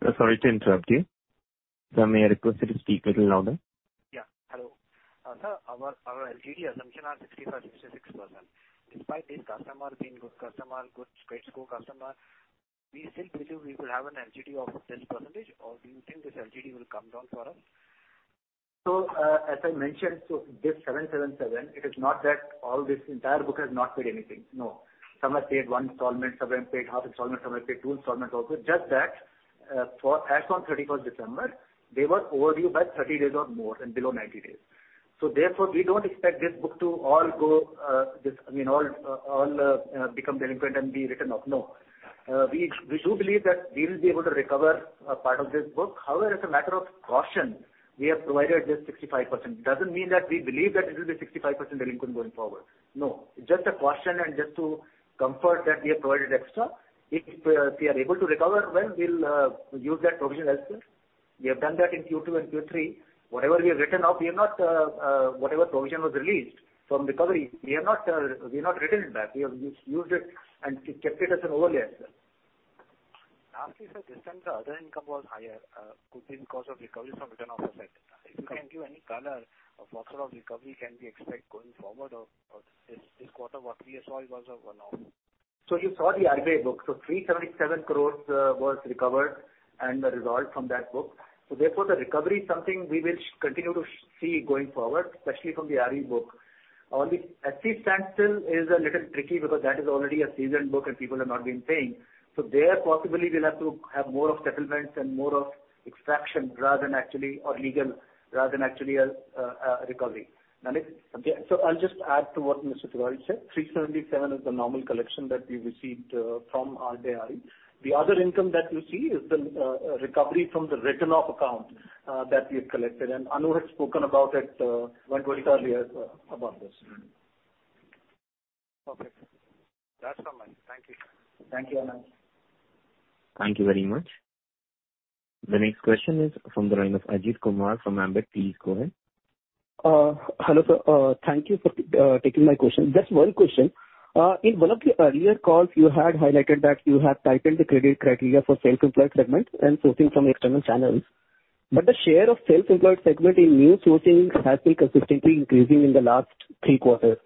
sir. Sorry to interrupt you. Sir, may I request you to speak a little louder? Yeah. Hello. Sir, our LGD assumption are 65%-66%. Despite this customer being good customer, good credit score customer, we still believe we will have an LGD of a certain percentage? Do you think this LGD will come down for us? As I mentioned, this 777, it is not that all this entire book has not paid anything. No. Some have paid one installment, some have paid half installment, some have paid two installments also. Just that as on 31st December, they were overdue by 30 days or more and below 90 days. Therefore, we don't expect this book to all become delinquent and be written off. No. We do believe that we will be able to recover a part of this book. However, as a matter of caution, we have provided just 65%. It doesn't mean that we believe that it will be 65% delinquent going forward. No, just a caution and just to comfort that we have provided extra. If we are able to recover, well, we'll use that provision elsewhere. We have done that in Q2 and Q3. Whatever we have written off, whatever provision was released from recovery, we have not written it back. We have used it and kept it as an overlay, I said. Lastly, sir, this time the other income was higher, could be because of recovery from written off asset. If you can give any color of what sort of recovery can we expect going forward or this quarter what we saw it was a one-off? You saw the RE book. 377 crores was recovered and resolved from that book. Therefore, the recovery is something we will continue to see going forward, especially from the RE book. Only SC standstill is a little tricky because that is already a seasoned book and people have not been paying. There possibly we'll have to have more of settlements and more of extraction or legal rather than actually a recovery. Nalin? I'll just add to what Mr. Tewari said. 377 crore is the normal collection that we received from our RE. The other income that you see is the recovery from the written off account that we have collected, Anup had spoken about it quite well earlier about this. Okay. That's all, Nalin. Thank you. Thank you, Anand. Thank you very much. The next question is from the line of Ajith Kumar from Ambit. Please go ahead. Hello, sir. Thank you for taking my question. Just one question. In one of the earlier calls, you had highlighted that you have tightened the credit criteria for self-employed segments and sourcing from external channels. The share of self-employed segment in new sourcing has been consistently increasing in the last three quarters.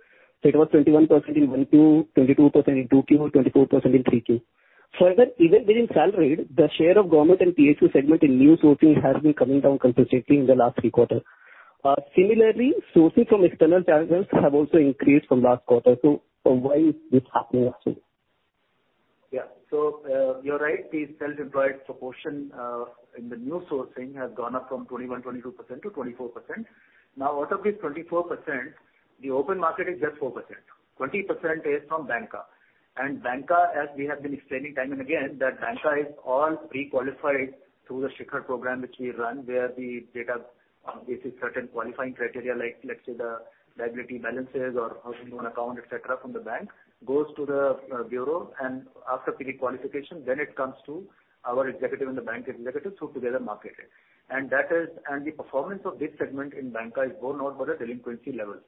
It was 21% in 1Q, 22% in 2Q, and 24% in 3Q. Further, even within salaried, the share of government and PSU segment in new sourcing has been coming down consistently in the last three quarters. Similarly, sourcing from external channels have also increased from last quarter. Why is this happening, actually? You're right, the self-employed proportion in the new sourcing has gone up from 21, 22% to 24%. Out of this 24%, the open market is just 4%. 20% is from SC. SC, as we have been explaining time and again, that SC is all pre-qualified through the Shikhar program which we run, where the data, based on certain qualifying criteria like, let's say, the liability balances or personal loan account, et cetera, from the bank, goes to the bureau, and after pre-qualification, then it comes to our executive and the bank executive who together market it. The performance of this segment in SC is known for the delinquency levels.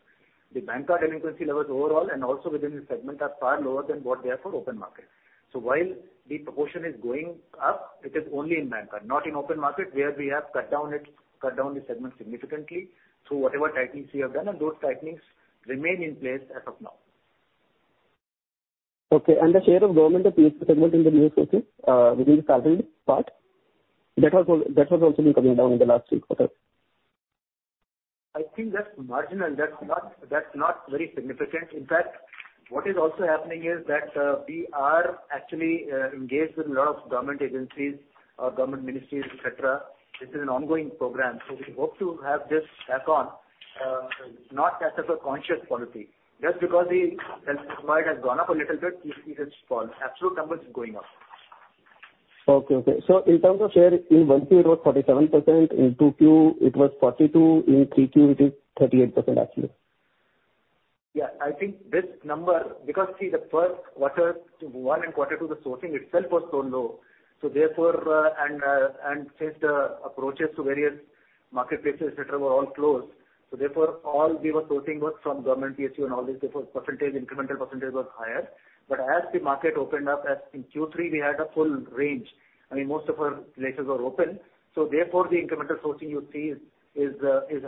The SC delinquency levels overall and also within the segment are far lower than what they are for open market. While the proportion is going up, it is only in SC, not in open market, where we have cut down this segment significantly. Whatever tightenings we have done and those tightenings remain in place as of now. Okay. The share of government or PSU segment in the new sourcing within the salaried part, that has also been coming down in the last three quarters. I think that's marginal. That's not very significant. In fact, what is also happening is that we are actually engaged with a lot of government agencies or government ministries, et cetera. This is an ongoing program, so we hope to have this back on, not as a conscious policy. Just because the self-employed has gone up a little bit, it has fallen. Absolute numbers is going up. Okay. In terms of share, in 1Q it was 47%, in 2Q it was 42%, in 3Q it is 38%, actually. I think this number, because the first quarter one and quarter two, the sourcing itself was so low. Since the approaches to various marketplaces et cetera, were all closed. Therefore, all we were sourcing was from government PSU and all this, therefore incremental percent was higher. As the market opened up, as in Q3, we had a full range. I mean, most of our places are open. Therefore, the incremental sourcing you see is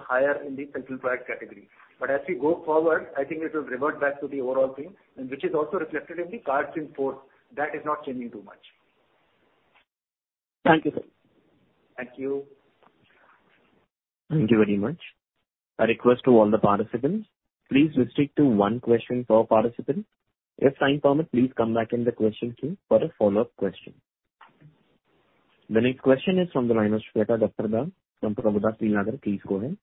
higher in the self-employed category. As we go forward, I think it will revert back to the overall theme, which is also reflected in the cards in force. That is not changing too much. Thank you, sir. Thank you. Thank you very much. A request to all the participants. Please restrict to one question per participant. If time permits, please come back in the questions queue for a follow-up question. The next question is from the line of Shweta Dalal from Prabhudas Lilladher. Please go ahead.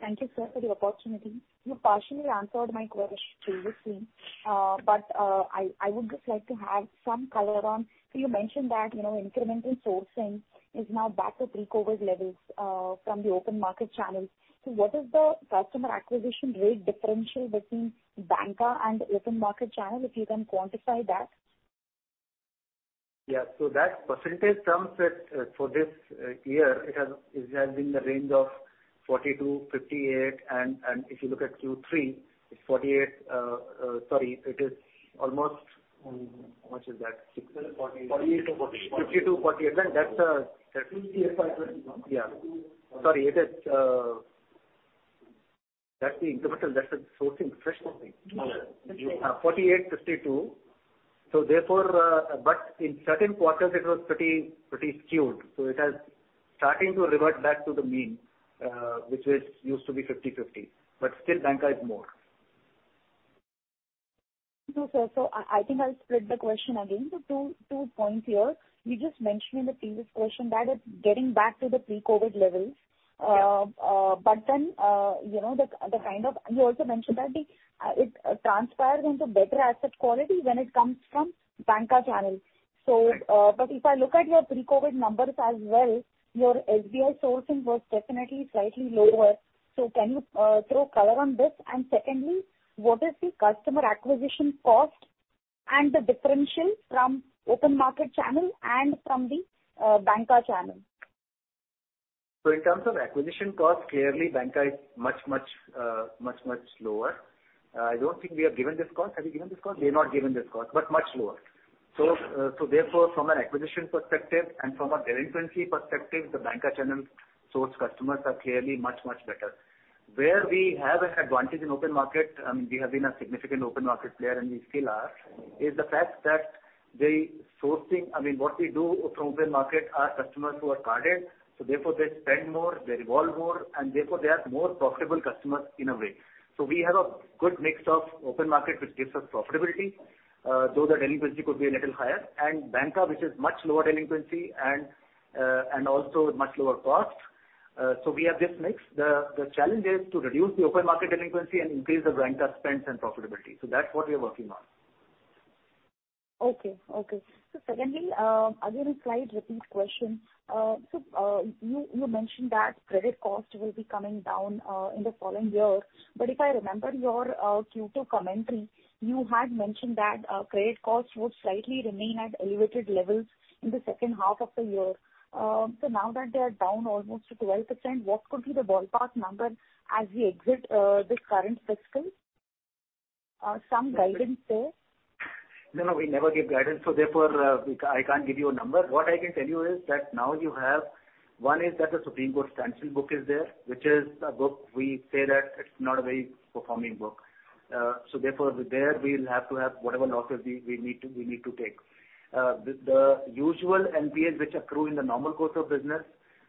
Thank you, sir, for the opportunity. You partially answered my question previously, but I would just like to have some color on you mentioned that incremental sourcing is now back to pre-COVID-19 levels from the open market channels. What is the customer acquisition rate differential between SC and open market channel, if you can quantify that? Yeah. That percentage comes at, for this year, it has been in the range of 42%, 58%, and if you look at Q3, it is almost How much is that? 52, 48. 52, 48. 58, 51. Yeah. Sorry. That's the incremental. That's the sourcing, fresh sourcing. Yes. Okay. 48, 52. In certain quarters, it was pretty skewed. It has starting to revert back to the mean, which used to be 50/50, but still SC is more. Thank you, sir. I think I'll split the question again to two points here. You just mentioned in the previous question that it's getting back to the pre-COVID levels. Yeah. You also mentioned that it transpires into better asset quality when it comes from SC channel. Right. If I look at your pre-COVID-19 numbers as well, your SC sourcing was definitely slightly lower. Can you throw color on this? Secondly, what is the customer acquisition cost and the differential from open market channel and from the SC channel? In terms of acquisition cost, clearly SC is much lower. I don't think we have given this cost. Have we given this cost? We have not given this cost, much lower. Therefore, from an acquisition perspective and from a delinquency perspective, the SC channel sourced customers are clearly much better. Where we have an advantage in open market, I mean, we have been a significant open market player, and we still are, is the fact that the sourcing, I mean, what we do from open market are customers who are carded, so therefore they spend more, they revolve more, and therefore they are more profitable customers in a way. We have a good mix of open market, which gives us profitability, though the delinquency could be a little higher, and SC, which is much lower delinquency and also much lower cost. We have this mix. The challenge is to reduce the open market delinquency and increase the SC spends and profitability. That's what we are working on. Secondly, again, a slight repeat question. You mentioned that credit cost will be coming down in the following year. If I remember your Q2 commentary, you had mentioned that credit costs would slightly remain at elevated levels in the second half of the year. Now that they are down almost to 12%, what could be the ballpark number as we exit this current fiscal? Some guidance there. No, we never give guidance, so therefore, I can't give you a number. What I can tell you is that now you have, one is that the Supreme Court standstill book is there, which is a book we say that it's not a very performing book. There we'll have to have whatever losses we need to take. The usual NPAs which accrue in the normal course of business,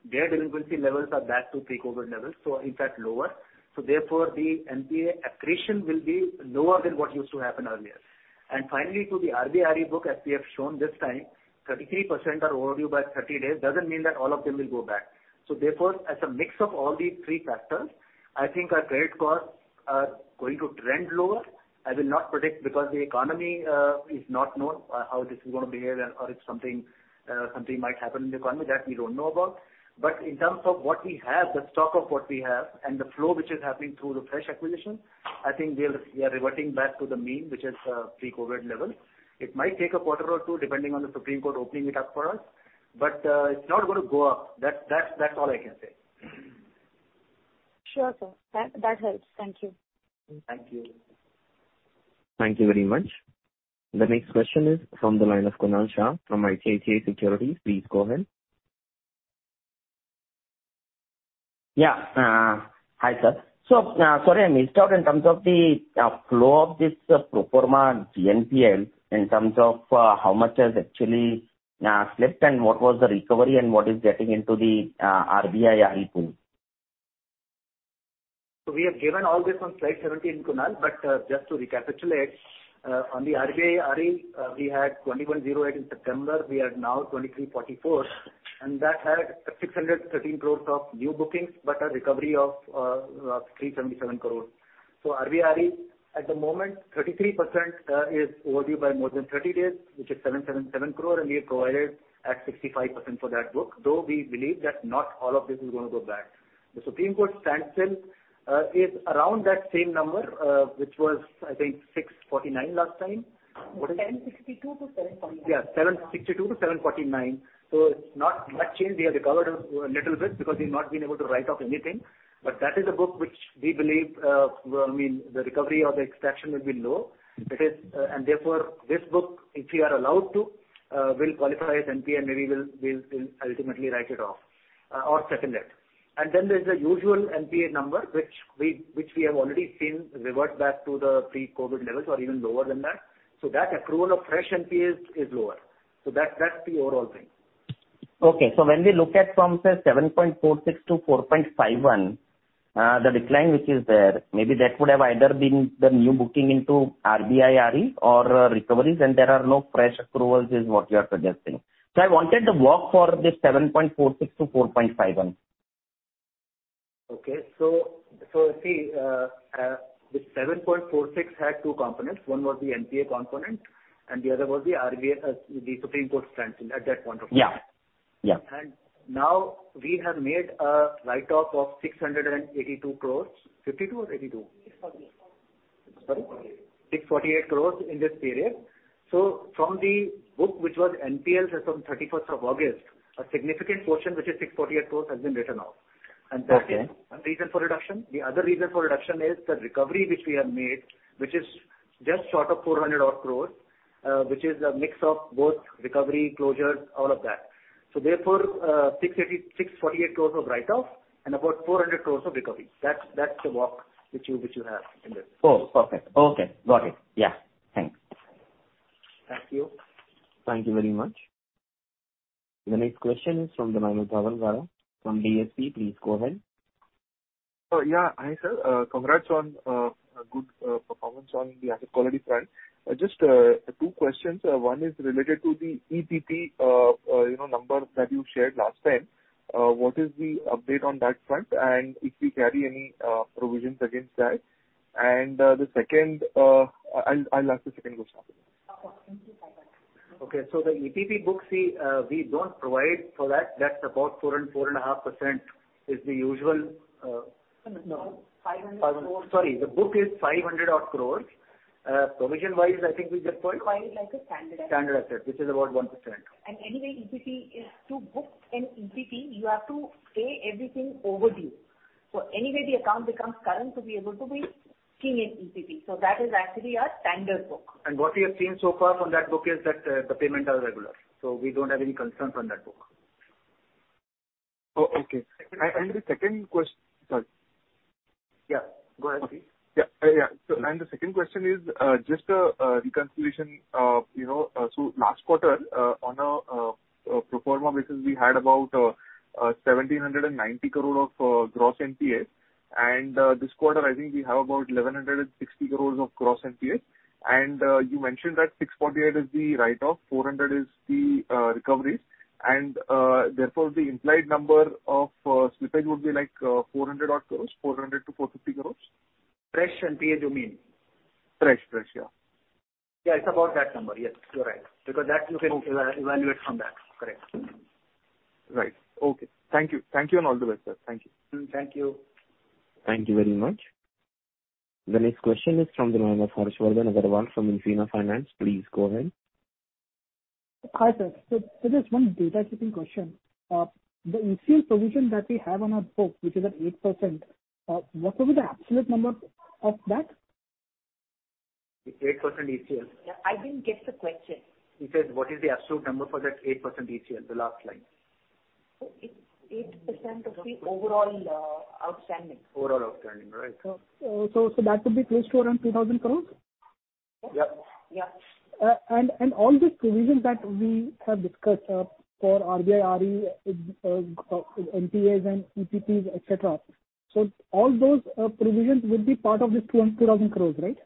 their delinquency levels are back to pre-COVID levels. In fact, lower. The NPA accretion will be lower than what used to happen earlier. Finally, to the RBI RE book, as we have shown this time, 33% are overdue by 30 days, doesn't mean that all of them will go back. As a mix of all these three factors, I think our credit costs are going to trend lower. I will not predict because the economy is not known how this is going to behave or if something might happen in the economy that we don't know about. In terms of what we have, the stock of what we have and the flow which is happening through the fresh acquisition, I think we are reverting back to the mean, which is pre-COVID-19 levels. It might take a quarter or two, depending on the Supreme Court opening it up for us. It's not going to go up. That's all I can say. Sure, sir. That helps. Thank you. Thank you. Thank you very much. The next question is from the line of Kunal Shah from ICICI Securities. Please go ahead. Yeah. Hi, sir. Sorry, I missed out in terms of the flow of this pro forma GNPA in terms of how much has actually slipped and what was the recovery and what is getting into the RBI RE pool. We have given all this on Slide 17, Kunal, but just to recapitulate. On the RBI RE, we had 2,108 crore in September. We are now 2,344 crore and that had 613 crore of new bookings, but a recovery of 377 crore. RBI RE at the moment, 33% is overdue by more than 30 days, which is 777 crore, and we have provided at 65% for that book, though we believe that not all of this is going to go back. The Supreme Court standstill is around that same number, which was, I think, 649 crore last time. What is it? 762 crore- 749 crore. Yeah. 762 crore-749 crore. Not much change. We have recovered a little bit because we've not been able to write off anything. That is a book which we believe, well, the recovery or the extraction will be low and therefore, this book, if we are allowed to, will qualify as NPA and maybe we'll ultimately write it off or second it. Then there's the usual NPA number, which we have already seen revert back to the pre-COVID levels or even lower than that. That accrual of fresh NPAs is lower. That's the overall thing. Okay. When we look at from, say, 7.46-4.51, the decline which is there, maybe that would have either been the new booking into RBI RE or recoveries and there are no fresh accruals, is what you are suggesting. I wanted the walk for this 7.46-4.51. Okay. See, the 7.46 had two components. One was the NPA component and the other was the Supreme Court standstill at that point of time. Yeah. Now we have made a write-off of 682 crore. 52 or 82? 648. Sorry? 648 crores in this period. From the book, which was NPL as on 31st of August, a significant portion, which is 648 crores, has been written off. Okay. That is one reason for reduction. The other reason for reduction is the recovery which we have made, which is just short of 400 odd crores, which is a mix of both recovery, closures, all of that. Therefore, 648 crores of write-off and about 400 crores of recovery. That's the walk which you have in this. Oh, perfect. Okay. Got it. Yeah. Thanks. Thank you. Thank you very much. The next question is from the line of Dhaval Gada from DSP. Please go ahead. Yeah. Hi, sir. Congrats on a good performance on the asset quality front. Just two questions. One is related to the EPP number that you shared last time. What is the update on that front? If we carry any provisions against that. The second, I'll ask the second question after this. Okay. The EPP book, see, we don't provide for that. That's about 4.5% is the usual. No, 500 crores. Sorry. The book is 500 odd crores. Provision-wise, I think we just provide- Provide like a standard asset. Standard asset, which is about 1%. Anyway, to book an EPP, you have to pay everything overdue. Anyway, the account becomes current to be able to be scheme EPP. That is actually our standard book. What we have seen so far from that book is that the payments are regular. We don't have any concerns on that book. Oh, okay. The second question. Sorry. Yeah, go ahead. Yeah. The second question is just a reconciliation. Last quarter, on a pro forma basis, we had about 1,790 crore of gross NPAs and this quarter, I think we have about 1,160 crore of gross NPAs. You mentioned that 648 is the write-off, 400 is the recoveries, therefore, the implied number of slippage would be like 400 odd crore, 400 crore-450 crore? Fresh and NPA domain? Fresh, yeah. Yeah, it's about that number. Yes, you're right. That you can evaluate from that. Correct. Right. Okay. Thank you. Thank you, and all the best, sir. Thank you. Thank you. Thank you very much. The next question is from the line of Harshvardhan Agarwal from InCred Finance. Please go ahead. Hi, sir. Just one data checking question. The ECL provision that we have on our book, which is at 8%, what would be the absolute number of that? The 8% ECL? I didn't get the question. He said, what is the absolute number for that 8% ECL? The last line. It's 8% of the overall outstanding. Overall outstanding. Right. That would be close to around 2,000 crore? Yep. Yeah. All this provision that we have discussed for RBI RE, NPAs and EPPs, et cetera, all those provisions will be part of this 2,000 crore, right?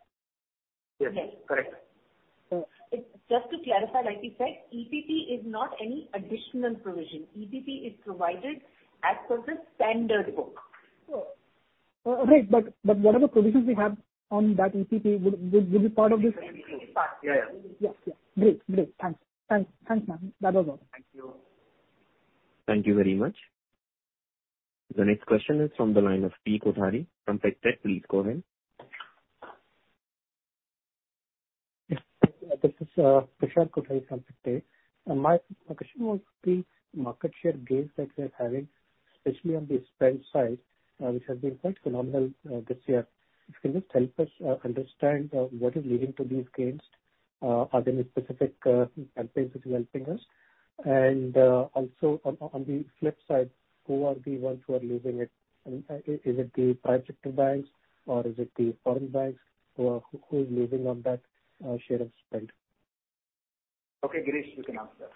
Yes. Yes. Correct. Just to clarify, like he said, EPP is not any additional provision. EPP is provided as per the standard book. Sure. Right. Whatever provisions we have on that EPP will be part of this? It will be part. Yeah. Yeah. Great. Thanks. Thanks, ma'am. That was all. Thank you. Thank you very much. The next question is from the line of Prashant Kothari from Pictet. Please go ahead. Yes. This is Prashant Kothari from Pictet. My question was the market share gains that you're having, especially on the spend side, which has been quite phenomenal this year. If you can just help us understand what is leading to these gains. Are there any specific campaigns which are helping us? Also on the flip side, who are the ones who are losing it? Is it the private sector banks or is it the foreign banks? Who is losing on that share of spend? Okay, Girish, you can answer that.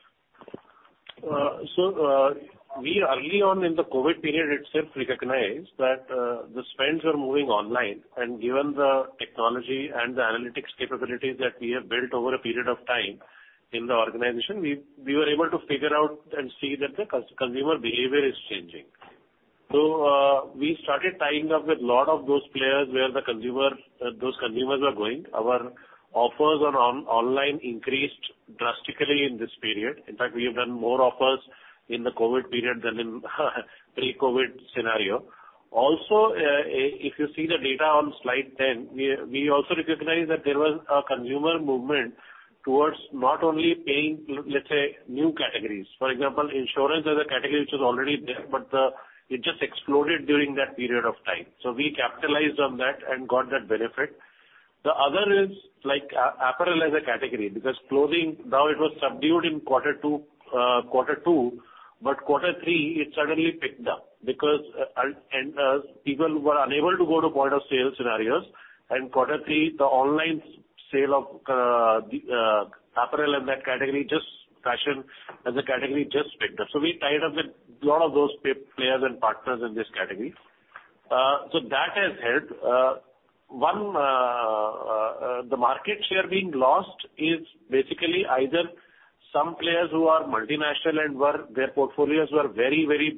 We early on in the COVID period itself recognized that the spends were moving online, and given the technology and the analytics capabilities that we have built over a period of time in the organization, we were able to figure out and see that the consumer behavior is changing. We started tying up with lot of those players where those consumers were going. Our offers on online increased drastically in this period. In fact, we have done more offers in the COVID period than in pre-COVID scenario. If you see the data on Slide 10, we also recognized that there was a consumer movement towards not only paying, let's say, new categories. For example, insurance as a category which was already there, but it just exploded during that period of time. We capitalized on that and got that benefit. The other is apparel as a category, because clothing, now it was subdued in quarter two, but quarter three it suddenly picked up because people were unable to go to point-of-sale scenarios. In quarter three, the online sale of apparel in that category, fashion as a category, just picked up. We tied up with lot of those players and partners in this category. That has helped. The market share being lost is basically either some players who are multinational and their portfolios were very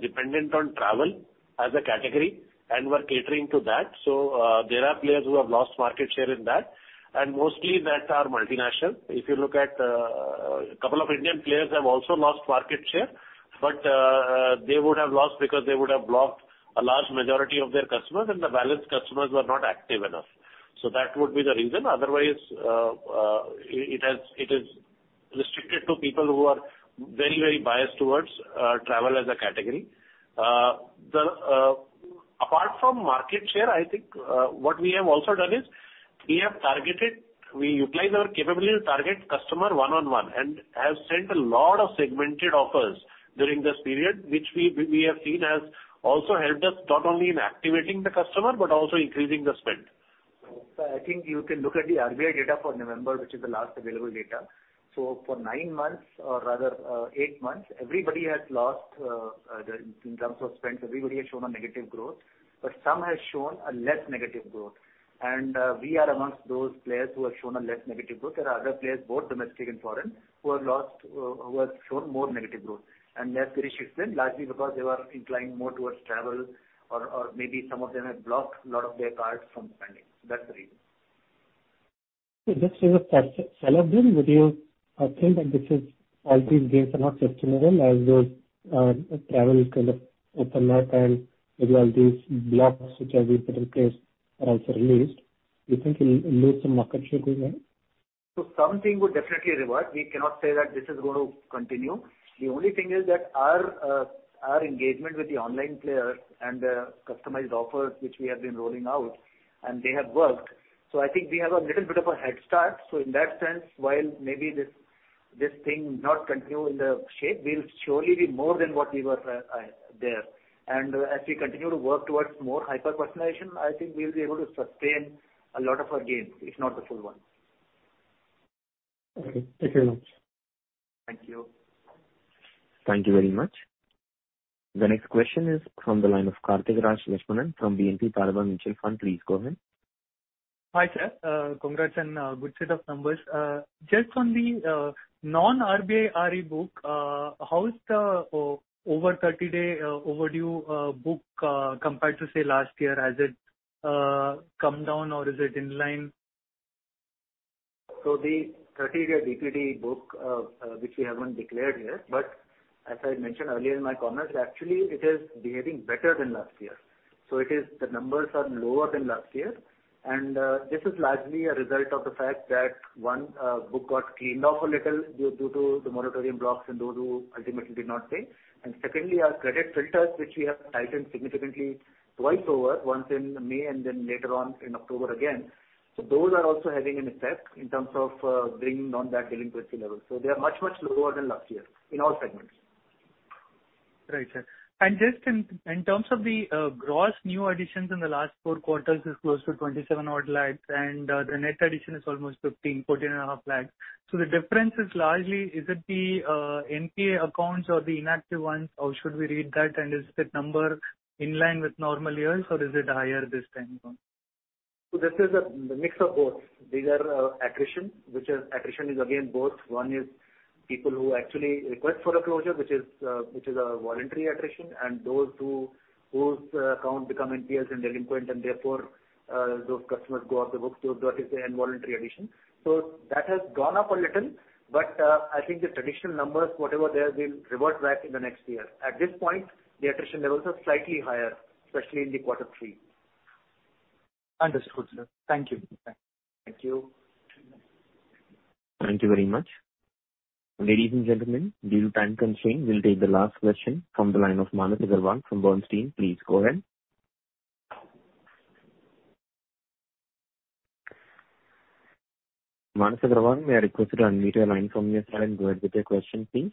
dependent on travel as a category and were catering to that. There are players who have lost market share in that, and mostly that are multinational. If you look at a couple of Indian players have also lost market share, but they would have lost because they would have blocked a large majority of their customers, and the balanced customers were not active enough. That would be the reason. Otherwise, it is restricted to people who are very biased towards travel as a category. Apart from market share, I think, what we have also done is we utilize our capability to target customer one on one, and have sent a lot of segmented offers during this period, which we have seen has also helped us not only in activating the customer but also increasing the spend. I think you can look at the RBI data for November, which is the last available data. For nine months, or rather eight months, in terms of spends, everybody has shown a negative growth, but some have shown a less negative growth. We are amongst those players who have shown a less negative growth. There are other players, both domestic and foreign, who have shown more negative growth and less relationship spend, largely because they were inclined more towards travel or maybe some of them have blocked lot of their cards from spending. That's the reason. This is a sale of them. Would you think that all these gains are not sustainable as those travel kind of open up and maybe all these blocks which have been put in place are also released? You think you'll lose some market share as well? Something would definitely revert. We cannot say that this is going to continue. The only thing is that our engagement with the online players and the customized offers which we have been rolling out, and they have worked. I think we have a little bit of a head start. In that sense, while maybe this thing not continue in the shape, we'll surely be more than what we were there. As we continue to work towards more hyper-personalization, I think we'll be able to sustain a lot of our gains, if not the full one. Okay. Thank you very much. Thank you. Thank you very much. The next question is from the line of Karthikraj Lakshmanan from BNP Paribas Mutual Fund. Please go ahead. Hi, sir. Congrats and good set of numbers. Just on the non-RBI RE book, how is the over 30-day overdue book compare to, say, last year? Has it come down or is it in line? The 30-day DPD book, which we haven't declared yet, but as I mentioned earlier in my comments, actually, it is behaving better than last year. The numbers are lower than last year, and this is largely a result of the fact that one book got cleaned off a little due to the moratorium blocks and those who ultimately did not pay. Secondly, our credit filters, which we have tightened significantly twice over, once in May and then later on in October again. Those are also having an effect in terms of bringing down that delinquency level. They are much, much lower than last year in all segments. Right, sir. Just in terms of the gross new additions in the last four quarters is close to 27 odd lakhs, and the net addition is almost 15 lakh, INR 14.5 lakh. The difference is largely, is it the NPA accounts or the inactive ones, or should we read that? Is that number in line with normal years or is it higher this time around? This is a mix of both. These are attrition, which is attrition is again both. One is people who actually request for a closure, which is a voluntary attrition, and those whose accounts become NPAs and delinquent, and therefore, those customers go off the books. Those are, say, involuntary addition. That has gone up a little. I think the traditional numbers, whatever they are, will revert back in the next year. At this point, the attrition levels are slightly higher, especially in the quarter three. Understood, sir. Thank you. Thank you. Thank you very much. Ladies and gentlemen, due to time constraint, we'll take the last question from the line of Manas Agrawal from Bernstein. Please go ahead. Manas Agrawal, may I request you to unmute your line from your side and go ahead with your question, please.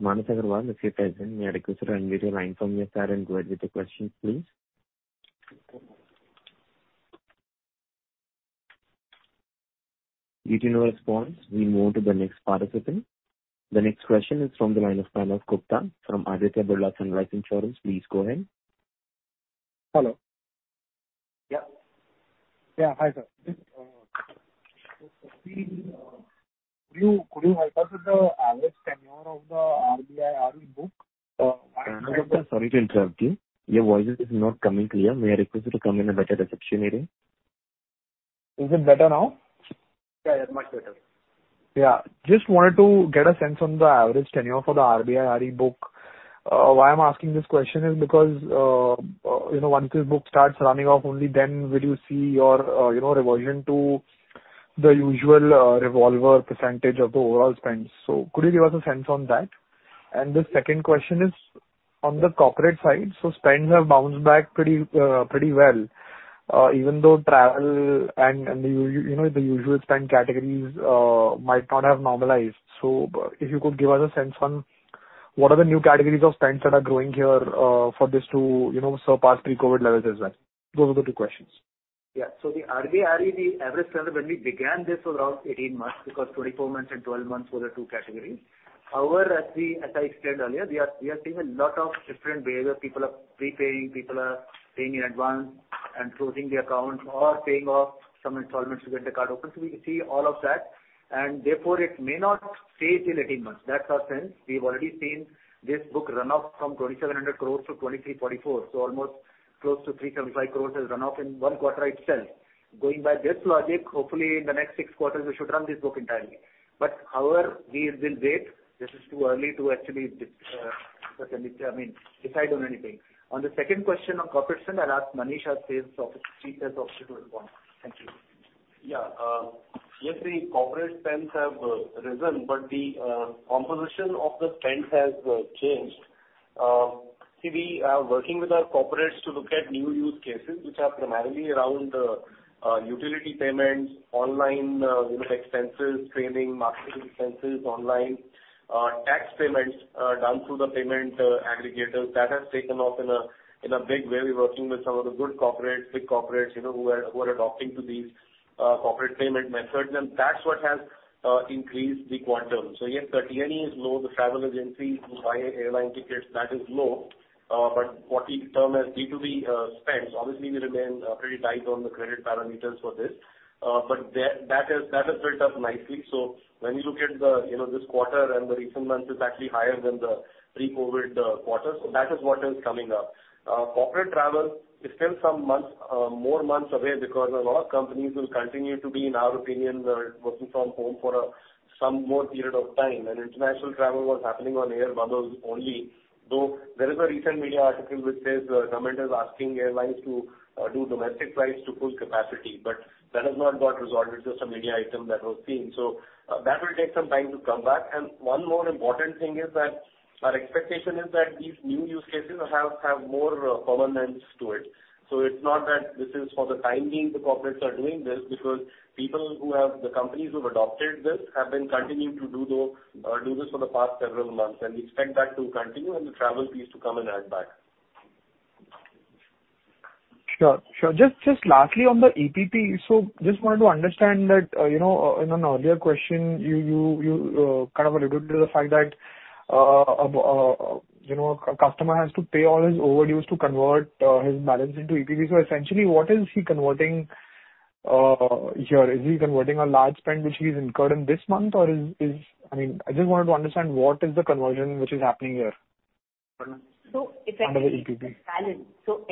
Manas Agrawal, if you're present, may I request you to unmute your line from your side and go ahead with your question, please. Due to no response, we move to the next participant. The next question is from the line of Pranav Gupta from Aditya Birla Sun Life Insurance. Please go ahead. Hello. Yeah. Yeah. Hi, sir. Could you help us with the average tenure of the RBI RE book? Pranav Gupta, sorry to interrupt you. Your voice is not coming clear. May I request you to come in a better reception area? Is it better now? Yeah, much better. Just wanted to get a sense on the average tenure for the RBI RE book. Why I'm asking this question is because once this book starts running off, only then will you see your reversion to the usual revolver percentage of the overall spends. Could you give us a sense on that? The second question is on the corporate side. Spends have bounced back pretty well, even though travel and the usual spend categories might not have normalized. If you could give us a sense on what are the new categories of spends that are growing here for this to surpass pre-COVID levels as well? Those are the two questions. Yeah. The RBI RE, the average tenure when we began this was around 18 months because 24 months and 12 months were the two categories. However, as I explained earlier, we are seeing a lot of different behavior. People are prepaying, people are paying in advance and closing the account or paying off some installments to get the card open. We see all of that, and therefore it may not stay till 18 months. That's our sense. We've already seen this book run off from 2,700 crores-2,344 crores. Almost close to 375 crores has run off in one quarter itself. Going by this logic, hopefully in the next six quarters, we should run this book entirely. However, we will wait. This is too early to actually decide on anything. On the second question of corporate spend, I'll ask Manish. I'll see if he has the option to respond. Thank you. Yeah. Yes, the corporate spends have risen, but the composition of the spends has changed. See, we are working with our corporates to look at new use cases which are primarily around utility payments, online expenses, training, marketing expenses online, tax payments done through the payment aggregators. That has taken off in a big way. We're working with some of the good corporates, big corporates who are adopting to these corporate payment methods, that's what has increased the quantum. Yes, the T&E is low, the travel is increased to buy airline tickets. That is low. What we term as B2B spends, obviously we remain pretty tight on the credit parameters for this. That has built up nicely. When you look at this quarter and the recent months is actually higher than the pre-COVID quarters. That is what is coming up. Corporate travel is still some more months away because a lot of companies will continue to be, in our opinion, working from home for some more period of time. International travel was happening on air bubbles only, though there is a recent media article which says the government is asking airlines to do domestic flights to full capacity. That has not got resolved. It's just a media item that was seen. That will take some time to come back. One more important thing is that our expectation is that these new use cases have more permanence to it. It's not that this is for the time being the corporates are doing this because the companies who've adopted this have been continuing to do this for the past several months, and we expect that to continue and the travel piece to come and add back. Sure. Just lastly on the EPP. Just wanted to understand that in an earlier question, you kind of alluded to the fact that a customer has to pay all his overdues to convert his balance into EPP. essentially, what is he converting here? Is he converting a large spend which he's incurred in this month? I mean, I just wanted to understand what is the conversion which is happening here under the EPP.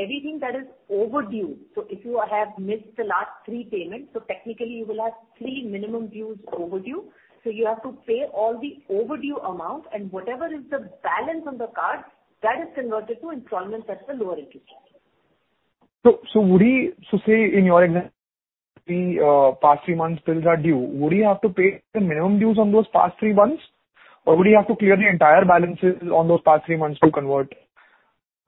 Everything that is overdue. If you have missed the last three payments, so technically you will have three minimum dues overdue. You have to pay all the overdue amount and whatever is the balance on the card, that is converted to installments at the lower interest rate. Say in your example, the past three months bills are due. Would you have to pay the minimum dues on those past three months, or would you have to clear the entire balances on those past three months to convert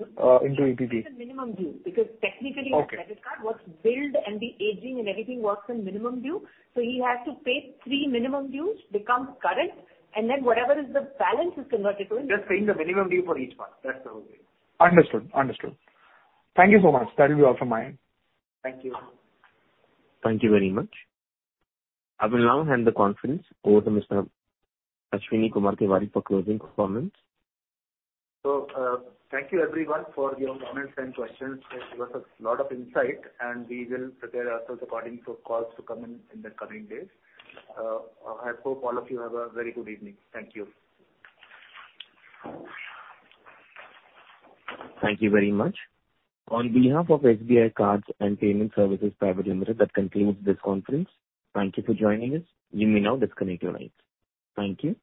into EPP? The minimum due because technically. Okay. A credit card works billed and the aging and everything works in minimum due. He has to pay three minimum dues, becomes current, and then whatever is the balance is converted to installments. Just paying the minimum due for each month. That's the whole thing. Understood. Thank you so much. That will be all from my end. Thank you. Thank you very much. I will now hand the conference over to Mr. Ashwini Kumar Tewari for closing comments. Thank you everyone for your comments and questions. It gave us a lot of insight and we will prepare ourselves accordingly for calls to come in the coming days. I hope all of you have a very good evening. Thank you. Thank you very much. On behalf of SBI Cards and Payment Services Private Limited, that concludes this conference. Thank you for joining us. You may now disconnect your lines. Thank you.